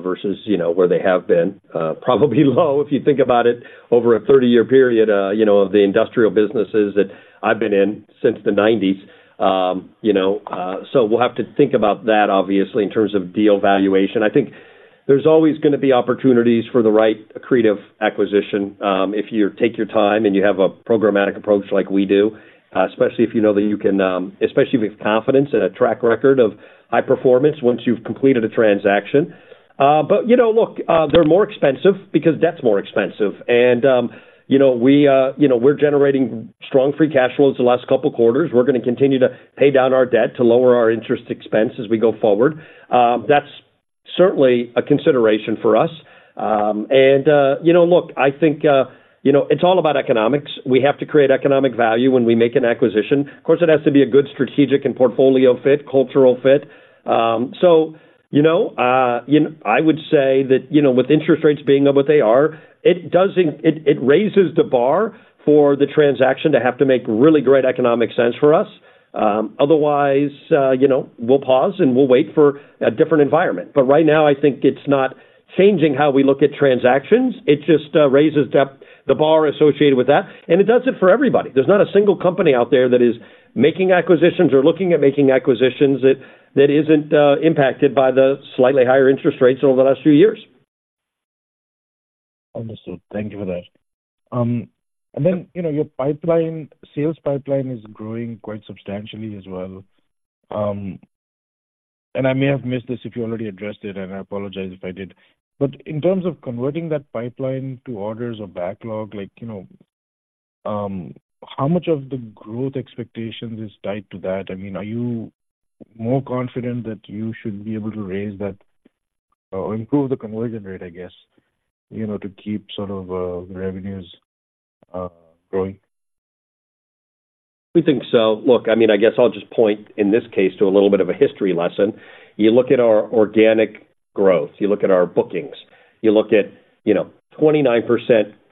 versus, you know, where they have been, probably low, if you think about it, over a 30-year period, you know, of the industrial businesses that I've been in since the 1990s. You know, so we'll have to think about that obviously, in terms of deal valuation. I think there's always gonna be opportunities for the right accretive acquisition, if you take your time and you have a programmatic approach like we do, especially if you know that you can, especially with confidence and a track record of high performance once you've completed a transaction. But you know, look, they're more expensive because debt's more expensive. And, you know, we're generating strong free cash flows the last couple quarters. We're gonna continue to pay down our debt to lower our interest expense as we go forward. That's certainly a consideration for us. You know, look, I think, you know, it's all about economics. We have to create economic value when we make an acquisition. Of course, it has to be a good strategic and portfolio fit, cultural fit. You know, I would say that, you know, with interest rates being what they are, it raises the bar for the transaction to have to make really great economic sense for us. Otherwise, you know, we'll pause, and we'll wait for a different environment. But right now, I think it's not changing how we look at transactions. It just raises the bar associated with that, and it does it for everybody. There's not a single company out there that is making acquisitions or looking at making acquisitions that, that isn't impacted by the slightly higher interest rates over the last few years. Understood. Thank you for that. You know, your pipeline, sales pipeline is growing quite substantially as well. I may have missed this if you already addressed it, and I apologize if I did, but in terms of converting that pipeline to orders or backlog, like, you know, how much of the growth expectations is tied to that? I mean, are you more confident that you should be able to raise that or improve the conversion rate, I guess, you know, to keep sort of, the revenues, growing? We think so. Look, I mean, I guess I'll just point, in this case, to a little bit of a history lesson. You look at our organic growth. You look at our bookings. You look at, you know, 29%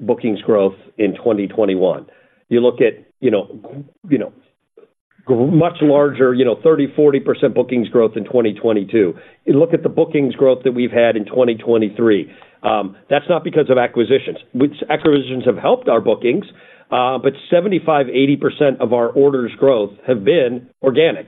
bookings growth in 2021. You look at, you know, you know, much larger, you know, 30%-40% bookings growth in 2022. You look at the bookings growth that we've had in 2023. That's not because of acquisitions, which acquisitions have helped our bookings, but 75%-80% of our orders growth have been organic.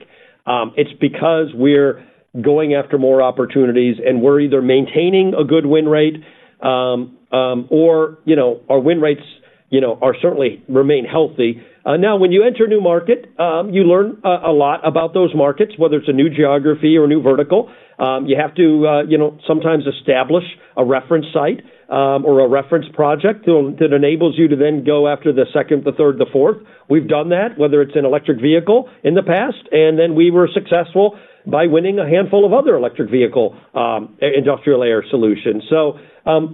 It's because we're going after more opportunities, and we're either maintaining a good win rate, or, you know, our win rates, you know, are certainly remain healthy. Now, when you enter a new market, you learn a lot about those markets, whether it's a new geography or a new vertical. You have to, you know, sometimes establish a reference site or a reference project that enables you to then go after the second, the third, the fourth. We've done that, whether it's an electric vehicle in the past, and then we were successful by winning a handful of other electric vehicle industrial air solutions. So,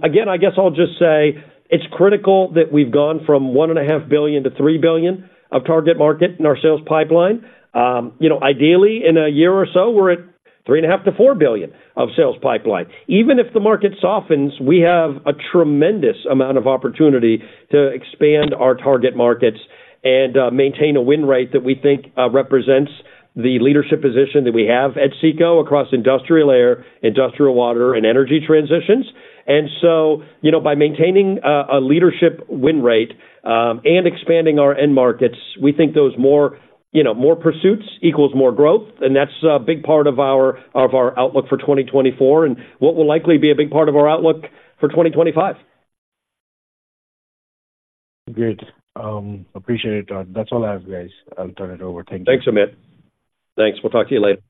again, I guess I'll just say it's critical that we've gone from $1.5 billion-$3 billion of target market in our sales pipeline. You know, ideally, in a year or so, we're at $3.5 billion-$4 billion of sales pipeline. Even if the market softens, we have a tremendous amount of opportunity to expand our target markets and maintain a win rate that we think represents the leadership position that we have at CECO across industrial air, industrial water, and energy transitions. You know, by maintaining a leadership win rate and expanding our end markets, we think more pursuits equals more growth, and that's a big part of our outlook for 2024, and what will likely be a big part of our outlook for 2025. Great. Appreciate it. That's all I have, guys. I'll turn it over. Thank you. Thanks, Amit. Thanks. We'll talk to you later.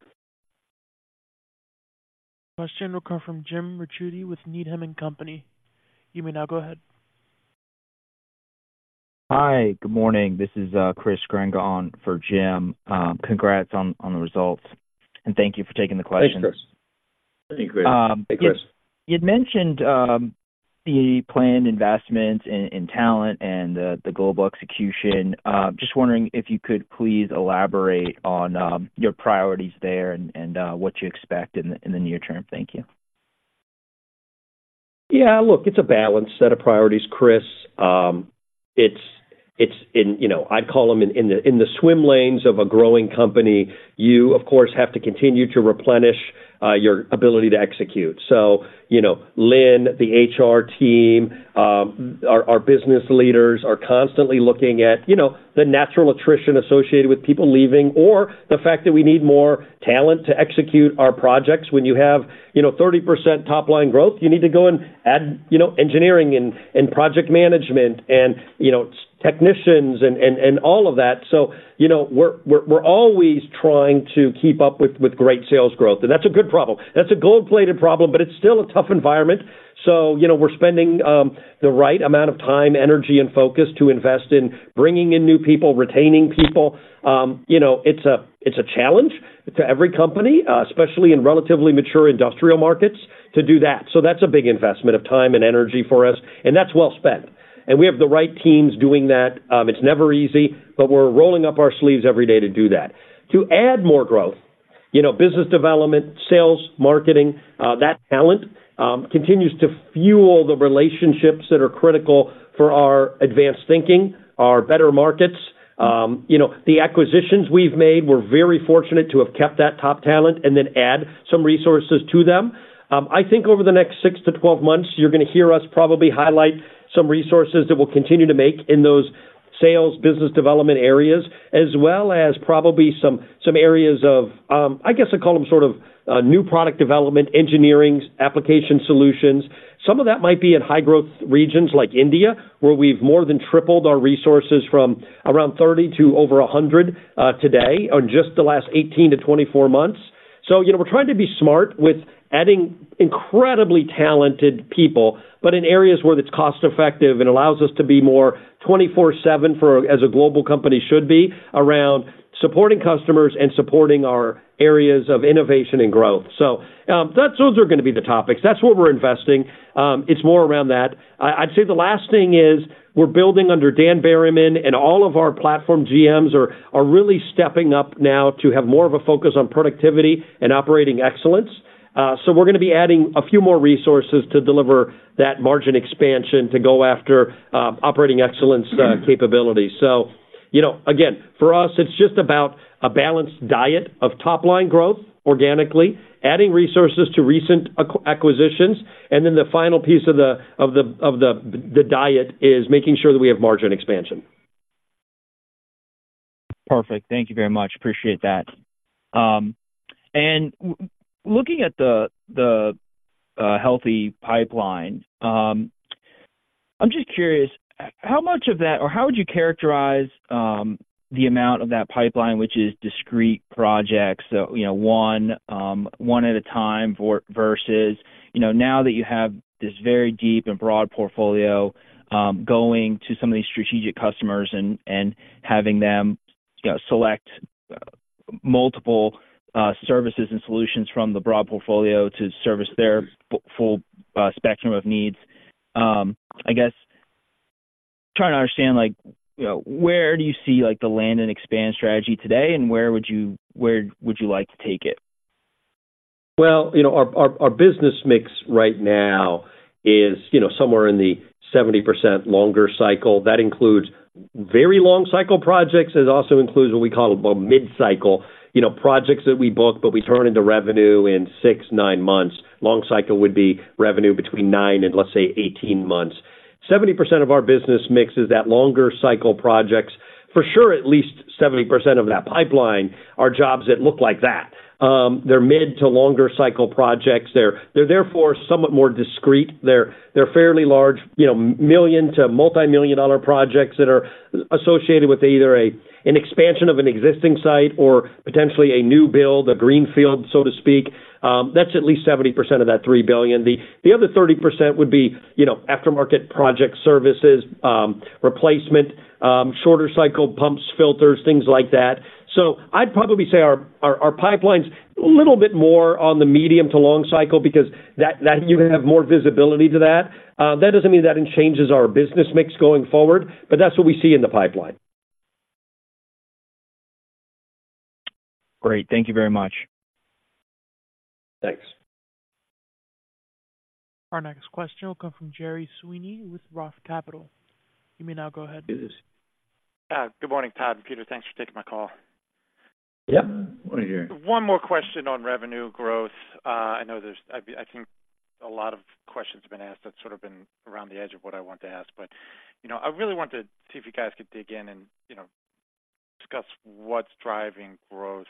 Question will come from Jim Ricchiuti with Needham and Company. You may now go ahead. Hi. Good morning. This is Chris Grenga on for Jim. Congrats on the results, and thank you for taking the questions. Thanks, Chris. Thank you, Chris. Um- Hey, Chris. You'd mentioned the planned investments in talent and the global execution. Just wondering if you could please elaborate on your priorities there and what you expect in the near term. Thank you. ...Yeah, look, it's a balanced set of priorities, Chris. It's in, you know, I'd call them in the swim lanes of a growing company. You, of course, have to continue to replenish your ability to execute. So, you know, Lynn, the HR team, our business leaders are constantly looking at, you know, the natural attrition associated with people leaving or the fact that we need more talent to execute our projects. When you have, you know, 30% top-line growth, you need to go and add, you know, engineering and project management and all of that. So, you know, we're always trying to keep up with great sales growth, and that's a good problem. That's a gold-plated problem, but it's still a tough environment. So, you know, we're spending the right amount of time, energy, and focus to invest in bringing in new people, retaining people. You know, it's a challenge to every company, especially in relatively mature industrial markets, to do that. So that's a big investment of time and energy for us, and that's well spent. And we have the right teams doing that. It's never easy, but we're rolling up our sleeves every day to do that. To add more growth, you know, business development, sales, marketing, that talent continues to fuel the relationships that are critical for our advanced thinking, our better markets. You know, the acquisitions we've made, we're very fortunate to have kept that top talent and then add some resources to them. I think over the next 6-12 months, you're going to hear us probably highlight some resources that we'll continue to make in those sales, business development areas, as well as probably some, some areas of, I guess I'd call them sort of, new product development, engineering, application solutions. Some of that might be in high-growth regions like India, where we've more than tripled our resources from around 30 to over 100 today, on just the last 18-24 months. So you know, we're trying to be smart with adding incredibly talented people, but in areas where it's cost-effective and allows us to be more 24/7, for as a global company should be, around supporting customers and supporting our areas of innovation and growth. So, that's, those are going to be the topics. That's what we're investing. It's more around that. I'd say the last thing is, we're building under Dan Berryman, and all of our platform GMs are really stepping up now to have more of a focus on productivity and operating excellence. So we're going to be adding a few more resources to deliver that margin expansion, to go after operating excellence capabilities. So, you know, again, for us, it's just about a balanced diet of top-line growth, organically, adding resources to recent acquisitions, and then the final piece of the diet is making sure that we have margin expansion. Perfect. Thank you very much. Appreciate that. Looking at the healthy pipeline, I'm just curious, how much of that, or how would you characterize the amount of that pipeline, which is discrete projects, so you know, one at a time, versus, you know, now that you have this very deep and broad portfolio, going to some of these strategic customers and having them, you know, select multiple services and solutions from the broad portfolio to service their full spectrum of needs. I guess, trying to understand, like, you know, where do you see, like, the land and expand strategy today, and where would you like to take it? Well, you know, our business mix right now is, you know, somewhere in the 70% longer cycle. That includes very long cycle projects. It also includes what we call a mid-cycle. You know, projects that we book, but we turn into revenue in 6-9 months. Long cycle would be revenue between nine and, let's say, 18 months. 70% of our business mix is that longer cycle projects. For sure, at least 70% of that pipeline are jobs that look like that. They're mid- to longer-cycle projects. They're therefore, somewhat more discrete. They're fairly large, you know, million- to multimillion-dollar projects that are associated with either a, an expansion of an existing site or potentially a new build, a greenfield, so to speak. That's at least 70% of that $3 billion. The other 30% would be, you know, aftermarket project services, replacement, shorter cycle pumps, filters, things like that. So I'd probably say our pipeline's a little bit more on the medium to long cycle because that you have more visibility to that. That doesn't mean that it changes our business mix going forward, but that's what we see in the pipeline. Great. Thank you very much. Thanks. Our next question will come from Gerry Sweeney with Roth Capital. You may now go ahead. Good morning, Todd and Peter. Thanks for taking my call. Yeah. Good to hear you. One more question on revenue growth. I know there's... I think a lot of questions have been asked that sort of been around the edge of what I want to ask. But, you know, I really want to see if you guys could dig in and, you know, discuss what's driving growth.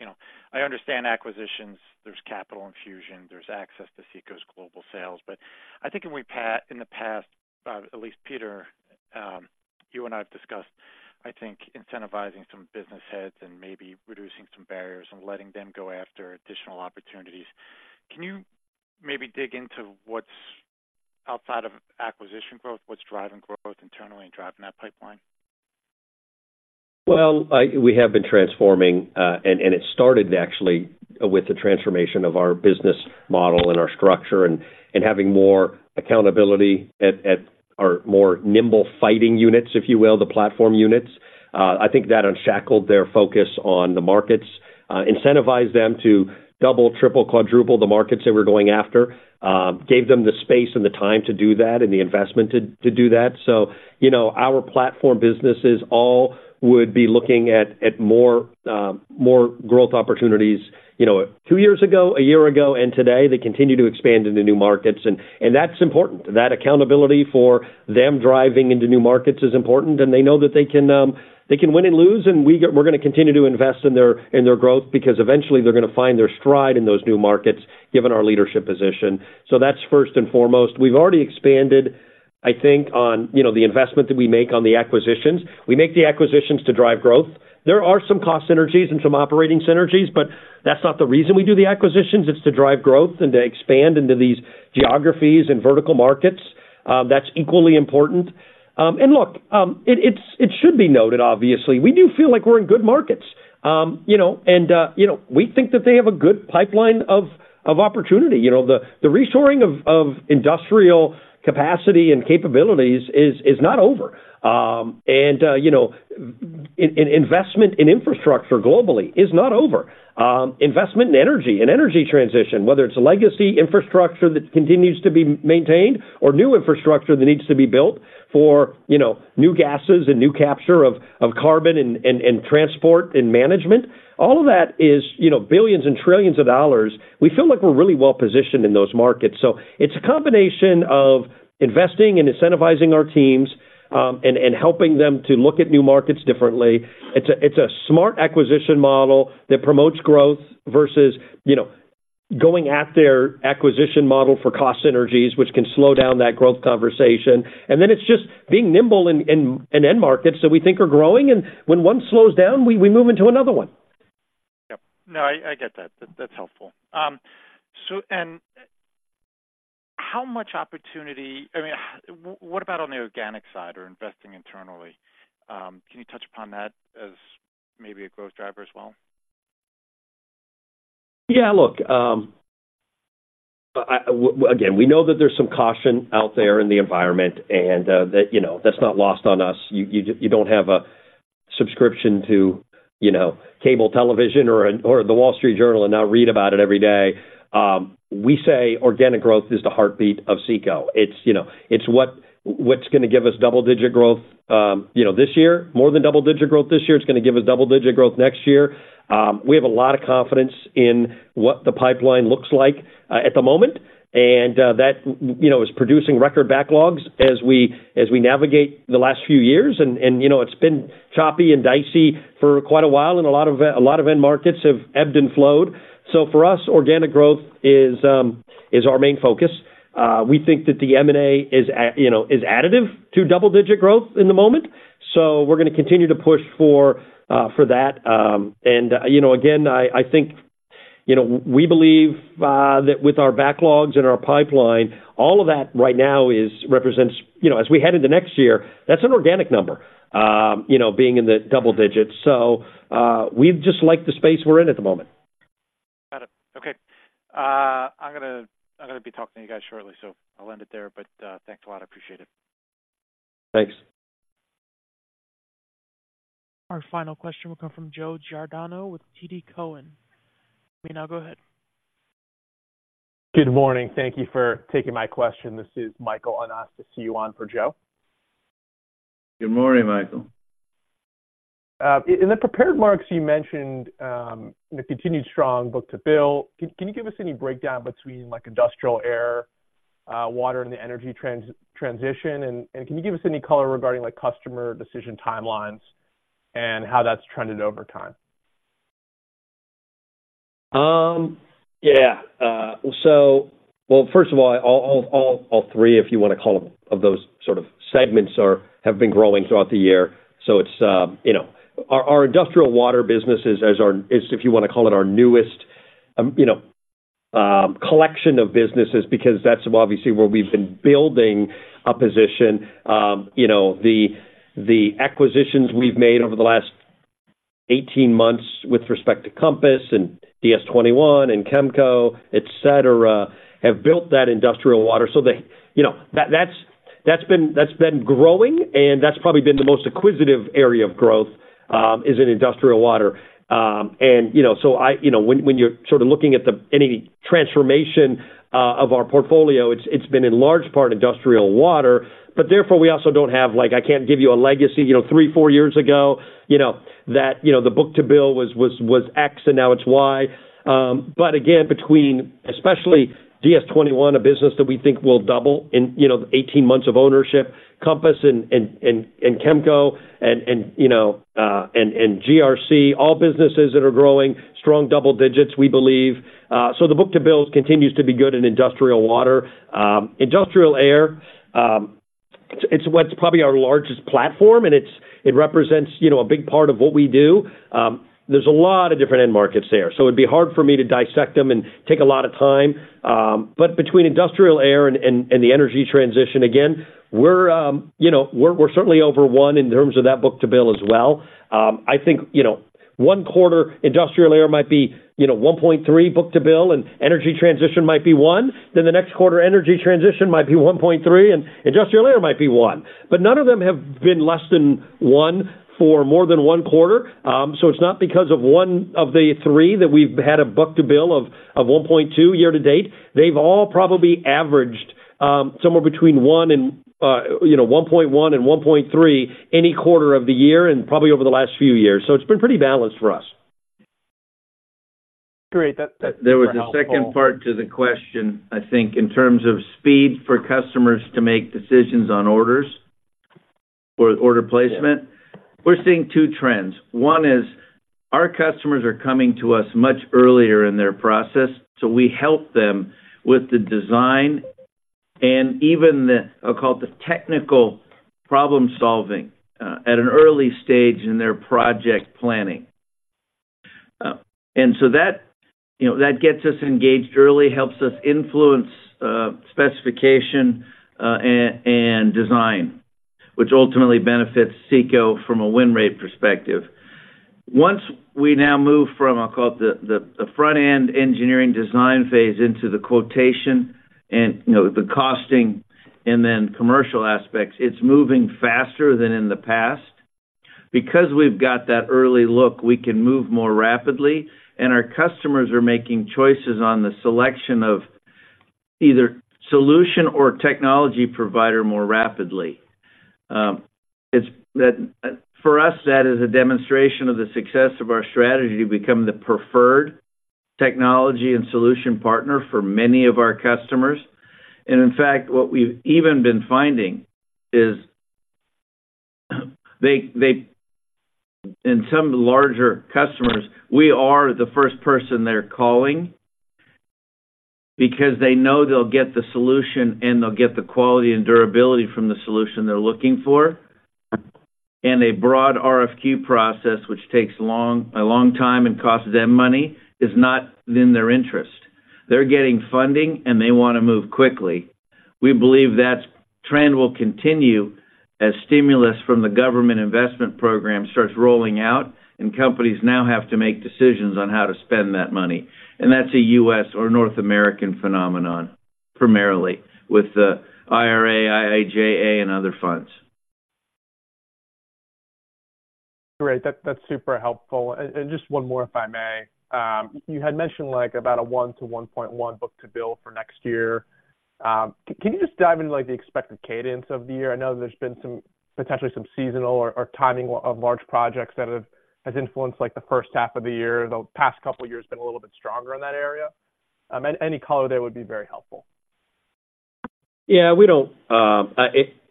You know, I understand acquisitions, there's capital infusion, there's access to CECO's global sales. But I think in the past, at least, Peter, you and I have discussed, I think, incentivizing some business heads and maybe reducing some barriers and letting them go after additional opportunities. Can you maybe dig into what's outside of acquisition growth, what's driving growth internally and driving that pipeline? Well, we have been transforming, and it started actually with the transformation of our business model and our structure and having more accountability at or more nimble fighting units, if you will, the platform units. I think that unshackled their focus on the markets. Incentivize them to double, triple, quadruple the markets that we're going after. Gave them the space and the time to do that, and the investment to do that. So, you know, our platform businesses all would be looking at more growth opportunities. You know, two years ago, a year ago, and today, they continue to expand into new markets, and that's important. That accountability for them driving into new markets is important, and they know that they can, they can win and lose, and we're gonna continue to invest in their growth, because eventually they're gonna find their stride in those new markets, given our leadership position. So that's first and foremost. We've already expanded, I think, on, you know, the investment that we make on the acquisitions. We make the acquisitions to drive growth. There are some cost synergies and some operating synergies, but that's not the reason we do the acquisitions. It's to drive growth and to expand into these geographies and vertical markets. That's equally important. And look, it should be noted, obviously, we do feel like we're in good markets. You know, and you know, we think that they have a good pipeline of opportunity. You know, the reshoring of industrial capacity and capabilities is not over. And, you know, investment in infrastructure globally is not over. Investment in energy and energy transition, whether it's a legacy infrastructure that continues to be maintained or new infrastructure that needs to be built for, you know, new gases and new capture of carbon and transport and management, all of that is, you know, $billions and $trillions. We feel like we're really well positioned in those markets. So it's a combination of investing and incentivizing our teams, and helping them to look at new markets differently. It's a smart acquisition model that promotes growth versus, you know, going at their acquisition model for cost synergies, which can slow down that growth conversation. Then it's just being nimble in end markets that we think are growing, and when one slows down, we move into another one. Yep. No, I, I get that. That's helpful. So, and how much opportunity, I mean, what about on the organic side or investing internally? Can you touch upon that as maybe a growth driver as well? Yeah, look, again, we know that there's some caution out there in the environment, and that, you know, that's not lost on us. You don't have a subscription to, you know, cable television or the Wall Street Journal and not read about it every day. We say organic growth is the heartbeat of CECO. It's, you know, it's what, what's gonna give us double-digit growth, you know, this year. More than double-digit growth this year. It's gonna give us double-digit growth next year. We have a lot of confidence in what the pipeline looks like at the moment, and that, you know, is producing record backlogs as we navigate the last few years. You know, it's been choppy and dicey for quite a while, and a lot of end markets have ebbed and flowed. So for us, organic growth is our main focus. We think that the M&A is, you know, additive to double-digit growth in the moment, so we're gonna continue to push for that. And, you know, again, I think, you know, we believe that with our backlogs and our pipeline, all of that right now represents, you know, as we head into next year, that's an organic number, you know, being in the double digits. So we just like the space we're in at the moment. Got it. Okay. I'm gonna, I'm gonna be talking to you guys shortly, so I'll end it there, but, thanks a lot. I appreciate it. Thanks. Our final question will come from Joe Giordano with TD Cowen. You may now go ahead. Good morning. Thank you for taking my question. This is Michael Anastasiou on for Joe. Good morning, Michael. In the prepared remarks, you mentioned the continued strong book-to-bill. Can you give us any breakdown between, like, industrial air, water, and the energy transition? And can you give us any color regarding, like, customer decision timelines and how that's trended over time? Yeah. So... Well, first of all, all three, if you want to call them, of those sort of segments are-- have been growing throughout the year. So it's, you know, our, our industrial water business is, as our-- is, if you want to call it, our newest, collection of businesses, because that's obviously where we've been building a position. You know, the, the acquisitions we've made over the last 18 months with respect to Compass and DS21 and Kemco, et cetera, have built that industrial water. So they, you know, that- that's, that's been, that's been growing, and that's probably been the most acquisitive area of growth, is in industrial water. And, you know, so I... You know, when you're sort of looking at any transformation of our portfolio, it's been in large part industrial water, but therefore we also don't have, like, I can't give you a legacy, you know, three, four years ago, you know, that the book-to-bill was X, and now it's Y. But again, between, especially DS21, a business that we think will double in, you know, 18 months of ownership, Compass and Kemco and, you know, and GRC, all businesses that are growing strong double digits, we believe. So the book-to-bill continues to be good in industrial water. Industrial air, it's what's probably our largest platform, and it represents, you know, a big part of what we do. There's a lot of different end markets there, so it'd be hard for me to dissect them and take a lot of time. But between industrial air and the energy transition, again, we're, you know, we're certainly over one in terms of that book-to-bill as well. I think, you know, one quarter, industrial air might be, you know, 1.3 book-to-bill, and energy transition might be one. Then the next quarter, energy transition might be 1.3, and industrial air might be one. But none of them have been less than one for more than one quarter. So it's not because of one of the three that we've had a book-to-bill of 1.2 year to date. They've all probably averaged somewhere between 1 and, you know, 1.1 and 1.3 any quarter of the year and probably over the last few years. So it's been pretty balanced for us.... Great. That There was a second part to the question. I think in terms of speed for customers to make decisions on orders or order placement, we're seeing two trends. One is our customers are coming to us much earlier in their process, so we help them with the design and even the, I'll call it, the technical problem-solving, at an early stage in their project planning. And so that, you know, that gets us engaged early, helps us influence, specification, and, and design, which ultimately benefits CECO from a win rate perspective. Once we now move from, I'll call it, the, the front-end engineering design phase into the quotation and, you know, the costing and then commercial aspects, it's moving faster than in the past. Because we've got that early look, we can move more rapidly, and our customers are making choices on the selection of either solution or technology provider more rapidly. It's that. For us, that is a demonstration of the success of our strategy to become the preferred technology and solution partner for many of our customers. And in fact, what we've even been finding is, they. In some larger customers, we are the first person they're calling because they know they'll get the solution, and they'll get the quality and durability from the solution they're looking for. And a broad RFQ process, which takes a long time and costs them money, is not in their interest. They're getting funding, and they want to move quickly. We believe that trend will continue as stimulus from the government investment program starts rolling out, and companies now have to make decisions on how to spend that money. That's a U.S. or North American phenomenon, primarily with the IRA, IIJA, and other funds. Great. That's super helpful. And just one more, if I may. You had mentioned, like, about a 1-1.1 book-to-bill for next year. Can you just dive into, like, the expected cadence of the year? I know there's been some potentially some seasonal or timing of large projects that have has influenced, like, the first half of the year. The past couple of years been a little bit stronger in that area. Any color there would be very helpful. Yeah, we don't...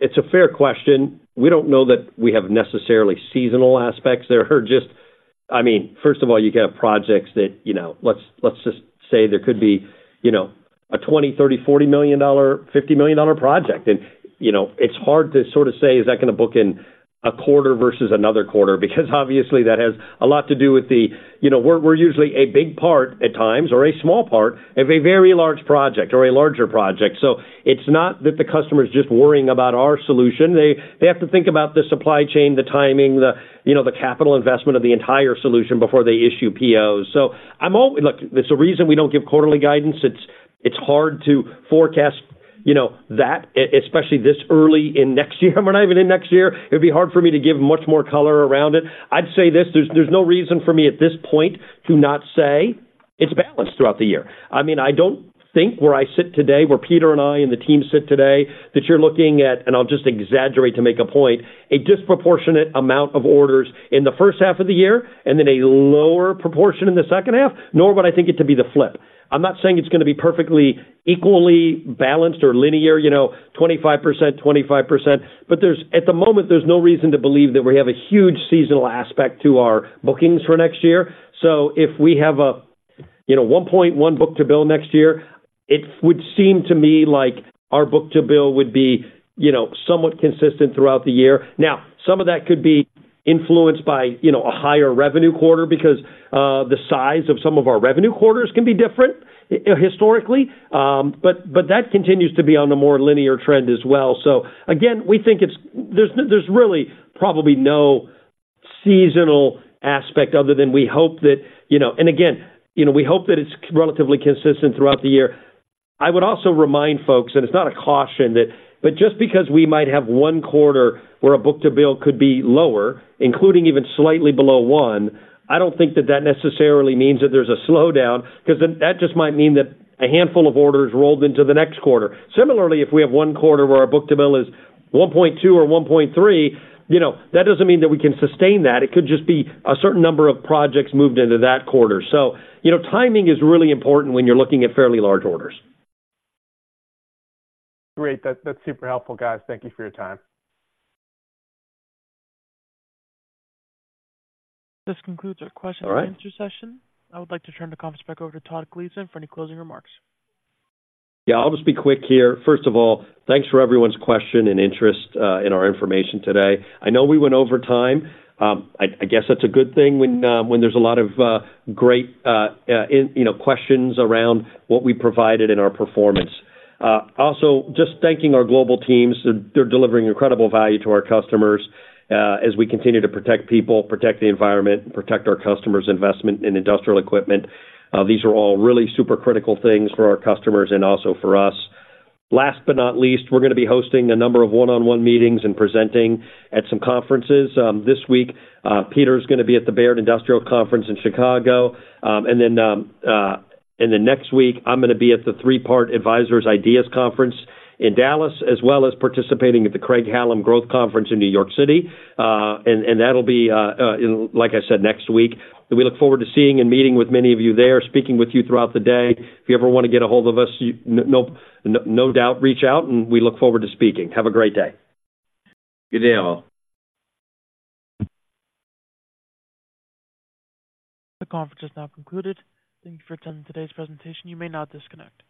It's a fair question. We don't know that we have necessarily seasonal aspects there, just... I mean, first of all, you can have projects that, you know, let's, let's just say there could be, you know, a $20 million, $30 million, $40 million, $50 million project. And, you know, it's hard to sort of say: Is that going to book in a quarter versus another quarter? Because obviously, that has a lot to do with the... You know, we're, we're usually a big part at times or a small part of a very large project or a larger project. So it's not that the customer is just worrying about our solution. They, they have to think about the supply chain, the timing, the, you know, the capital investment of the entire solution before they issue POs. So, look, there's a reason we don't give quarterly guidance. It's hard to forecast, you know, that, especially this early in next year. We're not even in next year. It'd be hard for me to give much more color around it. I'd say this, there's no reason for me at this point to not say it's balanced throughout the year. I mean, I don't think where I sit today, where Peter and I and the team sit today, that you're looking at, and I'll just exaggerate to make a point, a disproportionate amount of orders in the first half of the year and then a lower proportion in the second half, nor would I think it to be the flip. I'm not saying it's going to be perfectly equally balanced or linear, you know, 25%, 25%, but there's. At the moment, there's no reason to believe that we have a huge seasonal aspect to our bookings for next year. So if we have a, you know, 1.1 book to bill next year, it would seem to me like our book to bill would be, you know, somewhat consistent throughout the year. Now, some of that could be influenced by, you know, a higher revenue quarter because the size of some of our revenue quarters can be different, historically. But that continues to be on a more linear trend as well. So again, we think it's... There's really probably no seasonal aspect other than we hope that, you know... And again, you know, we hope that it's relatively consistent throughout the year. I would also remind folks, and it's not a caution, that, but just because we might have one quarter where a book-to-bill could be lower, including even slightly below one, I don't think that that necessarily means that there's a slowdown, because then that just might mean that a handful of orders rolled into the next quarter. Similarly, if we have one quarter where our book-to-bill is 1.2 or 1.3, you know, that doesn't mean that we can sustain that. It could just be a certain number of projects moved into that quarter. So, you know, timing is really important when you're looking at fairly large orders. Great. That's, that's super helpful, guys. Thank you for your time. This concludes our question and answer session. All right. I would like to turn the conference back over to Todd Gleason for any closing remarks. Yeah, I'll just be quick here. First of all, thanks for everyone's question and interest in our information today. I know we went over time. I guess that's a good thing when there's a lot of great, you know, questions around what we provided in our performance. Also, just thanking our global teams. They're delivering incredible value to our customers as we continue to protect people, protect the environment, and protect our customers' investment in industrial equipment. These are all really super critical things for our customers and also for us. Last but not least, we're going to be hosting a number of one-on-one meetings and presenting at some conferences. This week, Peter's going to be at the Baird Industrial Conference in Chicago. And then next week, I'm going to be at the Three Part Advisors IDEAS Conference in Dallas, as well as participating at the Craig-Hallum Growth Conference in New York City. And that'll be, like I said, next week. We look forward to seeing and meeting with many of you there, speaking with you throughout the day. If you ever want to get a hold of us, no doubt, reach out, and we look forward to speaking. Have a great day. Good day, all. The conference is now concluded. Thank you for attending today's presentation. You may now disconnect.